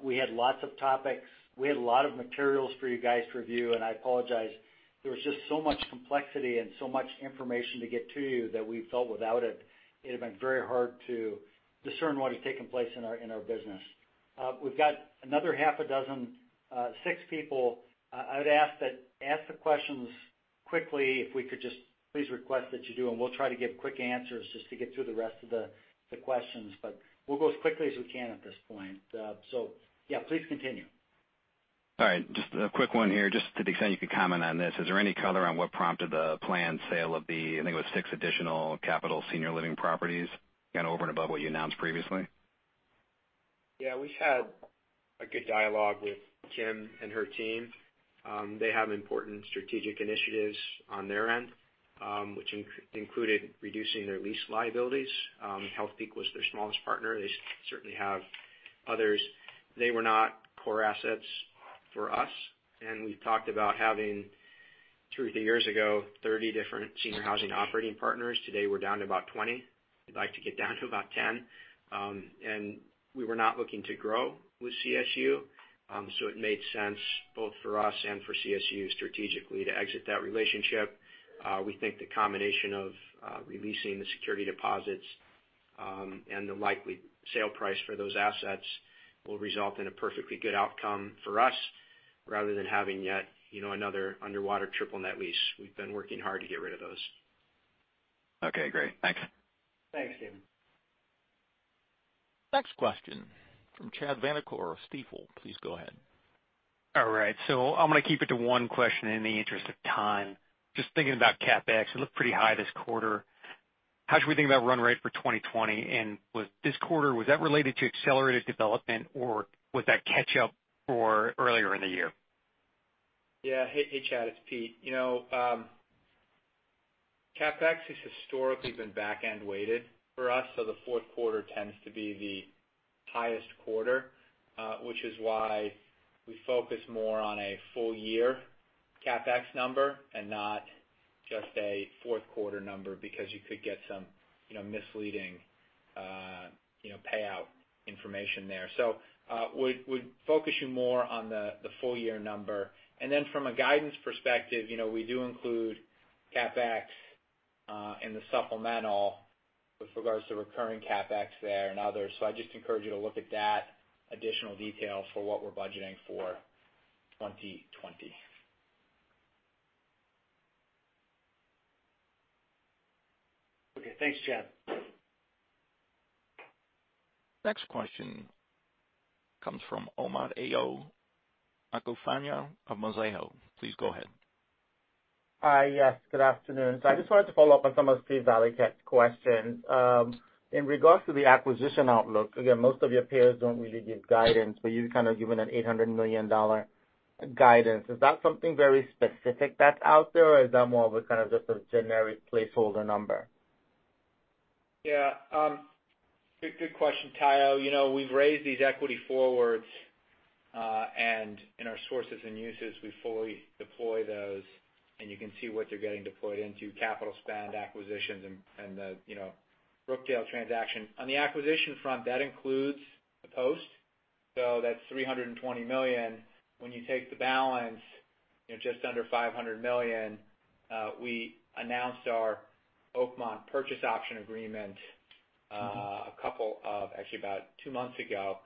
We had lots of topics. We had a lot of materials for you guys to review. I apologize. There was just so much complexity and so much information to get to you that we felt without it had been very hard to discern what has taken place in our business. We've got another half a dozen, six people. I would ask the questions quickly, if we could just please request that you do, and we'll try to give quick answers just to get through the rest of the questions. We'll go as quickly as we can at this point. Yeah, please continue. All right. Just a quick one here, just to the extent you could comment on this. Is there any color on what prompted the planned sale of the, I think it was six additional Capital Senior Living properties, over and above what you announced previously? Yeah, we've had a good dialogue with Kim and her team. They have important strategic initiatives on their end, which included reducing their lease liabilities. Healthpeak was their smallest partner. They certainly have others. They were not core assets for us. We've talked about having, two or three years ago, 30 different senior housing operating partners. Today, we're down to about 20. We'd like to get down to about 10. We were not looking to grow with CSU, it made sense both for us and for CSU strategically to exit that relationship. We think the combination of releasing the security deposits, and the likely sale price for those assets, will result in a perfectly good outcome for us, rather than having yet another underwater triple net lease. We've been working hard to get rid of those. Okay, great. Thanks. Thanks, David. Next question from Chad Vanacore of Stifel. Please go ahead. All right. I'm going to keep it to one question in the interest of time. Just thinking about CapEx, it looked pretty high this quarter. How should we think about run rate for 2020? With this quarter, was that related to accelerated development, or was that catch-up for earlier in the year? Hey, Chad, it's Pete. CapEx has historically been back-end weighted for us, so the fourth quarter tends to be the highest quarter, which is why we focus more on a full-year CapEx number and not just a fourth quarter number, because you could get some misleading payout information there. We'd focus you more on the full-year number. From a guidance perspective, we do include CapEx in the supplemental with regards to recurring CapEx there and others. I'd just encourage you to look at that additional detail for what we're budgeting for 2020. Okay. Thanks, Chad. Next question comes from Omotayo Okusanya of Mizuho. Please go ahead. Hi. Yes, good afternoon. I just wanted to follow up on some of Steven Valiquette's questions. In regards to the acquisition outlook, again, most of your peers don't really give guidance, but you've kind of given an $800 million guidance. Is that something very specific that's out there, or is that more of a kind of just a generic placeholder number? Yeah. Good question, Tayo. We've raised these equity forwards, and in our sources and uses, we fully deploy those, and you can see what they're getting deployed into capital spend acquisitions and the Brookdale transaction. On the acquisition front, that includes the Post. That's $320 million. When you take the balance, just under $500 million, we announced our Oakmont purchase option agreement a couple of, actually about two months ago.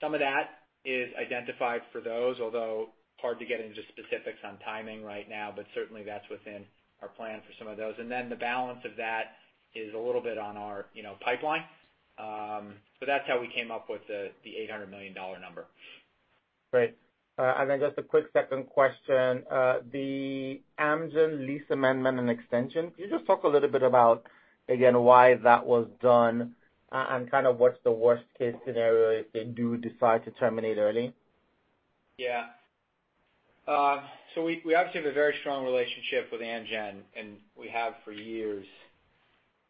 Some of that is identified for those, although hard to get into specifics on timing right now, but certainly that's within our plan for some of those. Then the balance of that is a little bit on our pipeline. That's how we came up with the $800 million number. Great. Just a quick second question. The Amgen lease amendment and extension. Can you just talk a little bit about, again, why that was done, and kind of what's the worst case scenario if they do decide to terminate early? Yeah. We obviously have a very strong relationship with Amgen, and we have for years.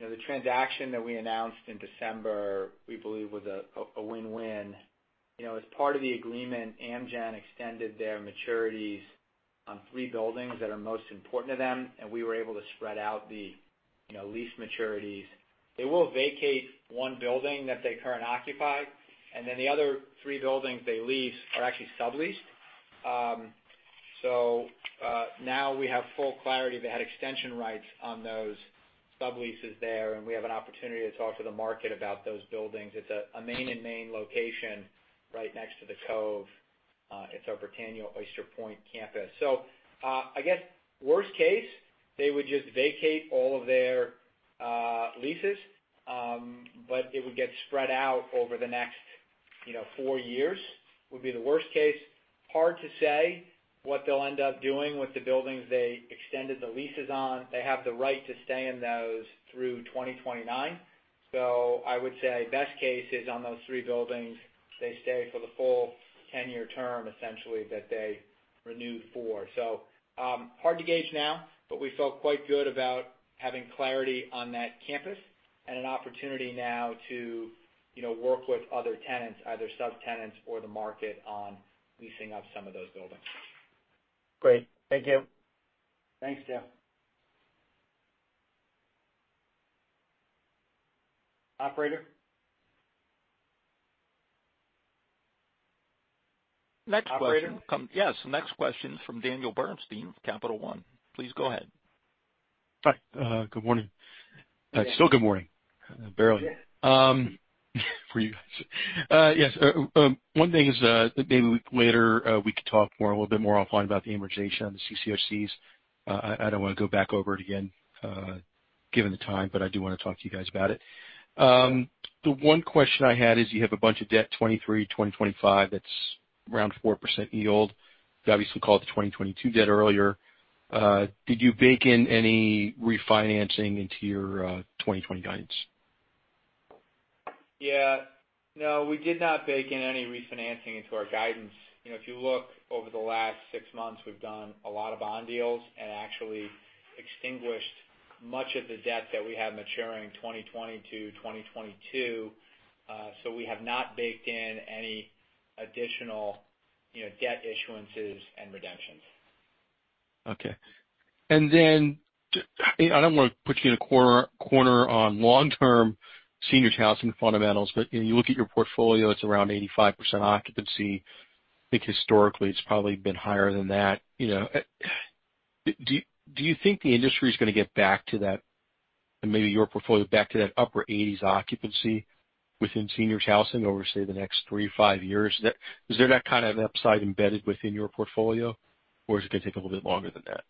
The transaction that we announced in December, we believe was a win-win. As part of the agreement, Amgen extended their maturities on three buildings that are most important to them, and we were able to spread out the You know, lease maturities. They will vacate one building that they currently occupy, and then the other three buildings they lease are actually subleased. Now we have full clarity. They had extension rights on those subleases there, and we have an opportunity to talk to the market about those buildings. It's a Main & Main location right next to The Cove. It's our Britannia Oyster Point campus. I guess worst case, they would just vacate all of their leases, but it would get spread out over the next four years, would be the worst case. Hard to say what they'll end up doing with the buildings they extended the leases on. They have the right to stay in those through 2029. I would say best case is on those three buildings, they stay for the full 10-year term, essentially, that they renewed for. Hard to gauge now, but we feel quite good about having clarity on that campus and an opportunity now to work with other tenants, either subtenants or the market, on leasing up some of those buildings. Great. Thank you. Thanks, Jeff. Operator? Next question. Operator? Yes. Next question from Daniel Bernstein of Capital One. Please go ahead. Hi. Good morning. Still good morning, barely. For you guys. Yes. One thing is, maybe later, we could talk a little bit more offline about the amortization on the CCs. I don't want to go back over it again given the time, but I do want to talk to you guys about it. The one question I had is you have a bunch of debt 2023, 2020, 2025, that's around 4% yield. You obviously called the 2022 debt earlier. Did you bake in any refinancing into your 2020 guidance? Yeah. No, we did not bake in any refinancing into our guidance. If you look over the last six months, we've done a lot of bond deals and actually extinguished much of the debt that we had maturing in 2020 to 2022. We have not baked in any additional debt issuances and redemptions. Okay. I don't want to put you in a corner on long-term senior housing fundamentals, you look at your portfolio, it's around 85% occupancy. I think historically, it's probably been higher than that. Do you think the industry's going to get back to that, and maybe your portfolio, back to that upper 80s occupancy within senior housing over, say, the next three to five years? Is there that kind of an upside embedded within your portfolio, or is it going to take a little bit longer than that?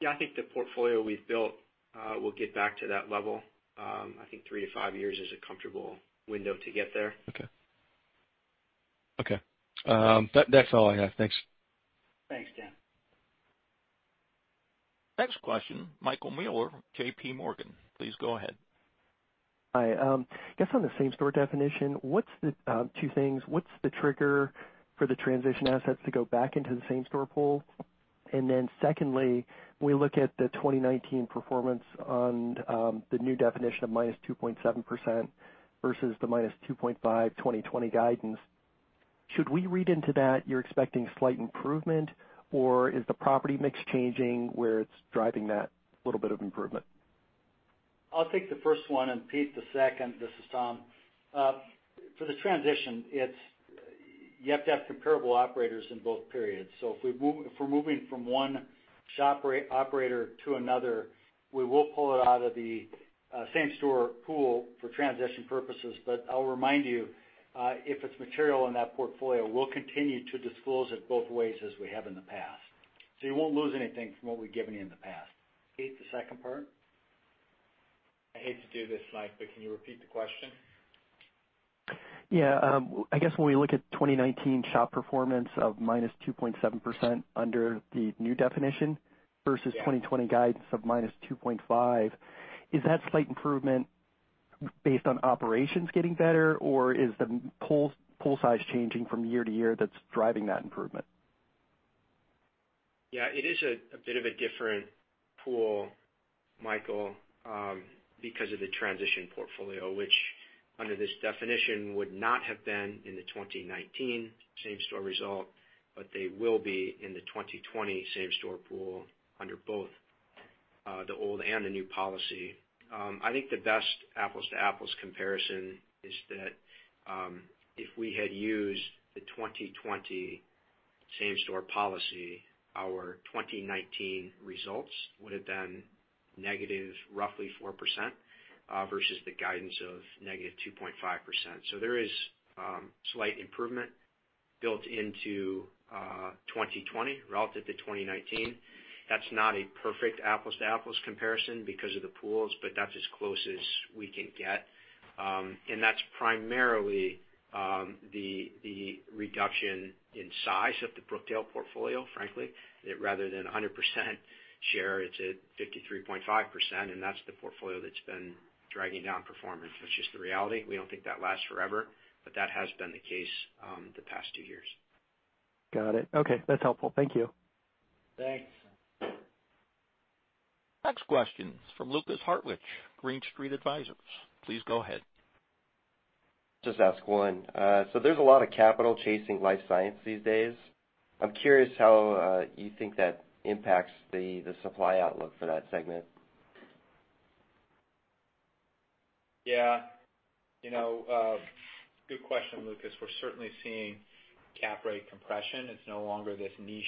Yeah, I think the portfolio we've built will get back to that level. I think three to five years is a comfortable window to get there. Okay. That's all I have. Thanks. Thanks, Dan. Next question, Michael Mueller, JPMorgan. Please go ahead. Hi. I guess on the same-store definition, two things. What's the trigger for the transition assets to go back into the same-store pool? Secondly, when we look at the 2019 performance on the new definition of -2.7% versus the -2.5% 2020 guidance, should we read into that you're expecting slight improvement, or is the property mix changing where it's driving that little bit of improvement? I'll take the first one, and Pete, the second. This is Tom. For the transition, you have to have comparable operators in both periods. If we're moving from one SHOP operator to another, we will pull it out of the same-store pool for transition purposes. I'll remind you, if it's material in that portfolio, we'll continue to disclose it both ways as we have in the past. You won't lose anything from what we've given you in the past. Pete, the second part? I hate to do this, Mike, can you repeat the question? Yeah. I guess when we look at 2019 SHOP performance of -2.7% under the new definition. Yeah 2020 guidance of -2.5%, is that slight improvement based on operations getting better, or is the pool size changing from year to year that's driving that improvement? Yeah, it is a bit of a different pool, Michael, because of the transition portfolio, which under this definition would not have been in the 2019 same-store result, but they will be in the 2020 same-store pool under both the old and the new policy. I think the best apples-to-apples comparison is that if we had used the 2020 same-store policy, our 2019 results would've been negative roughly 4% versus the guidance of -2.5%. There is slight improvement built into 2020 relative to 2019. That's not a perfect apples-to-apples comparison because of the pools, but that's as close as we can get. That's primarily the reduction in size of the Brookdale portfolio, frankly. Rather than 100% share, it's at 53.5%, and that's the portfolio that's been dragging down performance, which is the reality. We don't think that lasts forever, but that has been the case the past two years. Got it. Okay. That's helpful. Thank you. Thanks. Next question is from Lukas Hartwich, Green Street Advisors. Please go ahead. Just ask one. There's a lot of capital chasing life science these days. I'm curious how you think that impacts the supply outlook for that segment. Good question, Lukas. We're certainly seeing cap rate compression. It's no longer this niche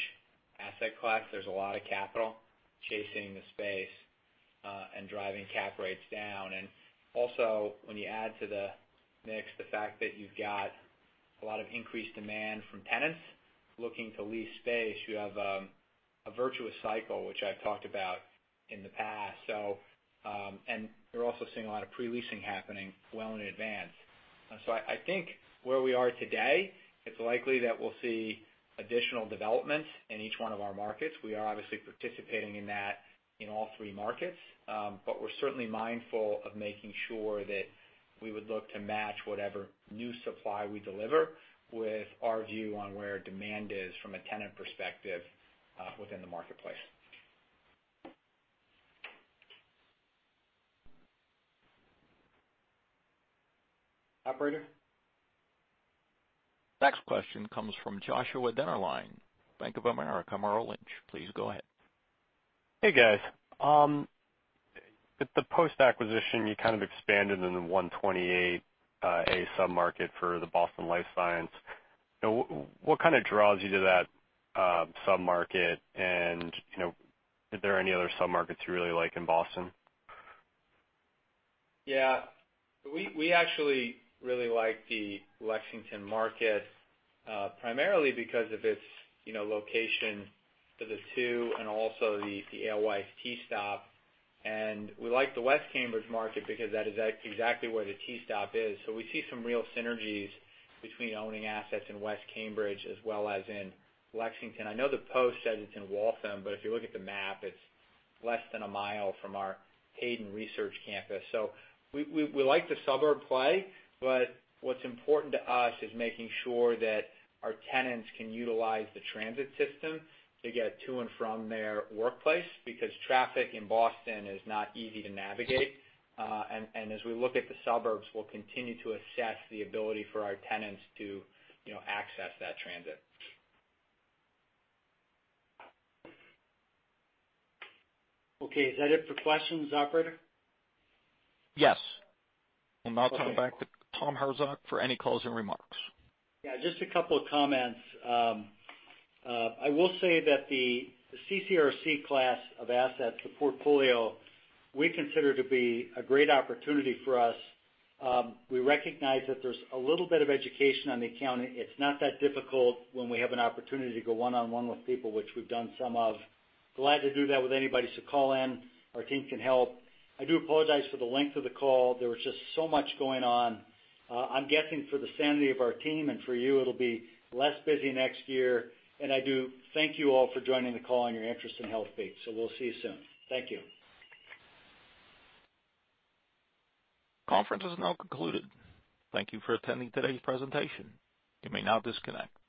asset class. There's a lot of capital chasing the space and driving cap rates down. When you add to the mix the fact that you've got a lot of increased demand from tenants looking to lease space, you have a virtuous cycle, which I've talked about in the past. We're also seeing a lot of pre-leasing happening well in advance. I think where we are today, it's likely that we'll see additional developments in each one of our markets. We are obviously participating in that in all three markets. We're certainly mindful of making sure that we would look to match whatever new supply we deliver with our view on where demand is from a tenant perspective within the marketplace. Operator? Next question comes from Joshua Dennerlein, Bank of America Merrill Lynch. Please go ahead. Hey, guys. With the post-acquisition, you kind of expanded in the Route 128 sub-market for the Boston life science. What kind of draws you to that sub-market and are there any other sub-markets you really like in Boston? Yeah. We actually really like the Lexington market primarily because of its location to the 2 and also the LY T stop. We like the West Cambridge market because that is exactly where the T stop is. We see some real synergies between owning assets in West Cambridge as well as in Lexington. I know the Post says it's in Waltham, but if you look at the map, it's less than a mile from our Hayden Research Campus. We like the suburb play, but what's important to us is making sure that our tenants can utilize the transit system to get to and from their workplace, because traffic in Boston is not easy to navigate. As we look at the suburbs, we'll continue to assess the ability for our tenants to access that transit. Okay, is that it for questions, operator? Yes. We'll now turn it back to Tom Herzog for any closing remarks. Just a couple of comments. I will say that the CCRC class of assets, the portfolio we consider to be a great opportunity for us. We recognize that there's a little bit of education on the accounting. It's not that difficult when we have an opportunity to go one-on-one with people, which we've done some of. Glad to do that with anybody, call in. Our team can help. I do apologize for the length of the call. There was just so much going on. I'm guessing for the sanity of our team and for you, it'll be less busy next year. I do thank you all for joining the call and your interest in Healthpeak. We'll see you soon. Thank you. Conference is now concluded. Thank you for attending today's presentation. You may now disconnect.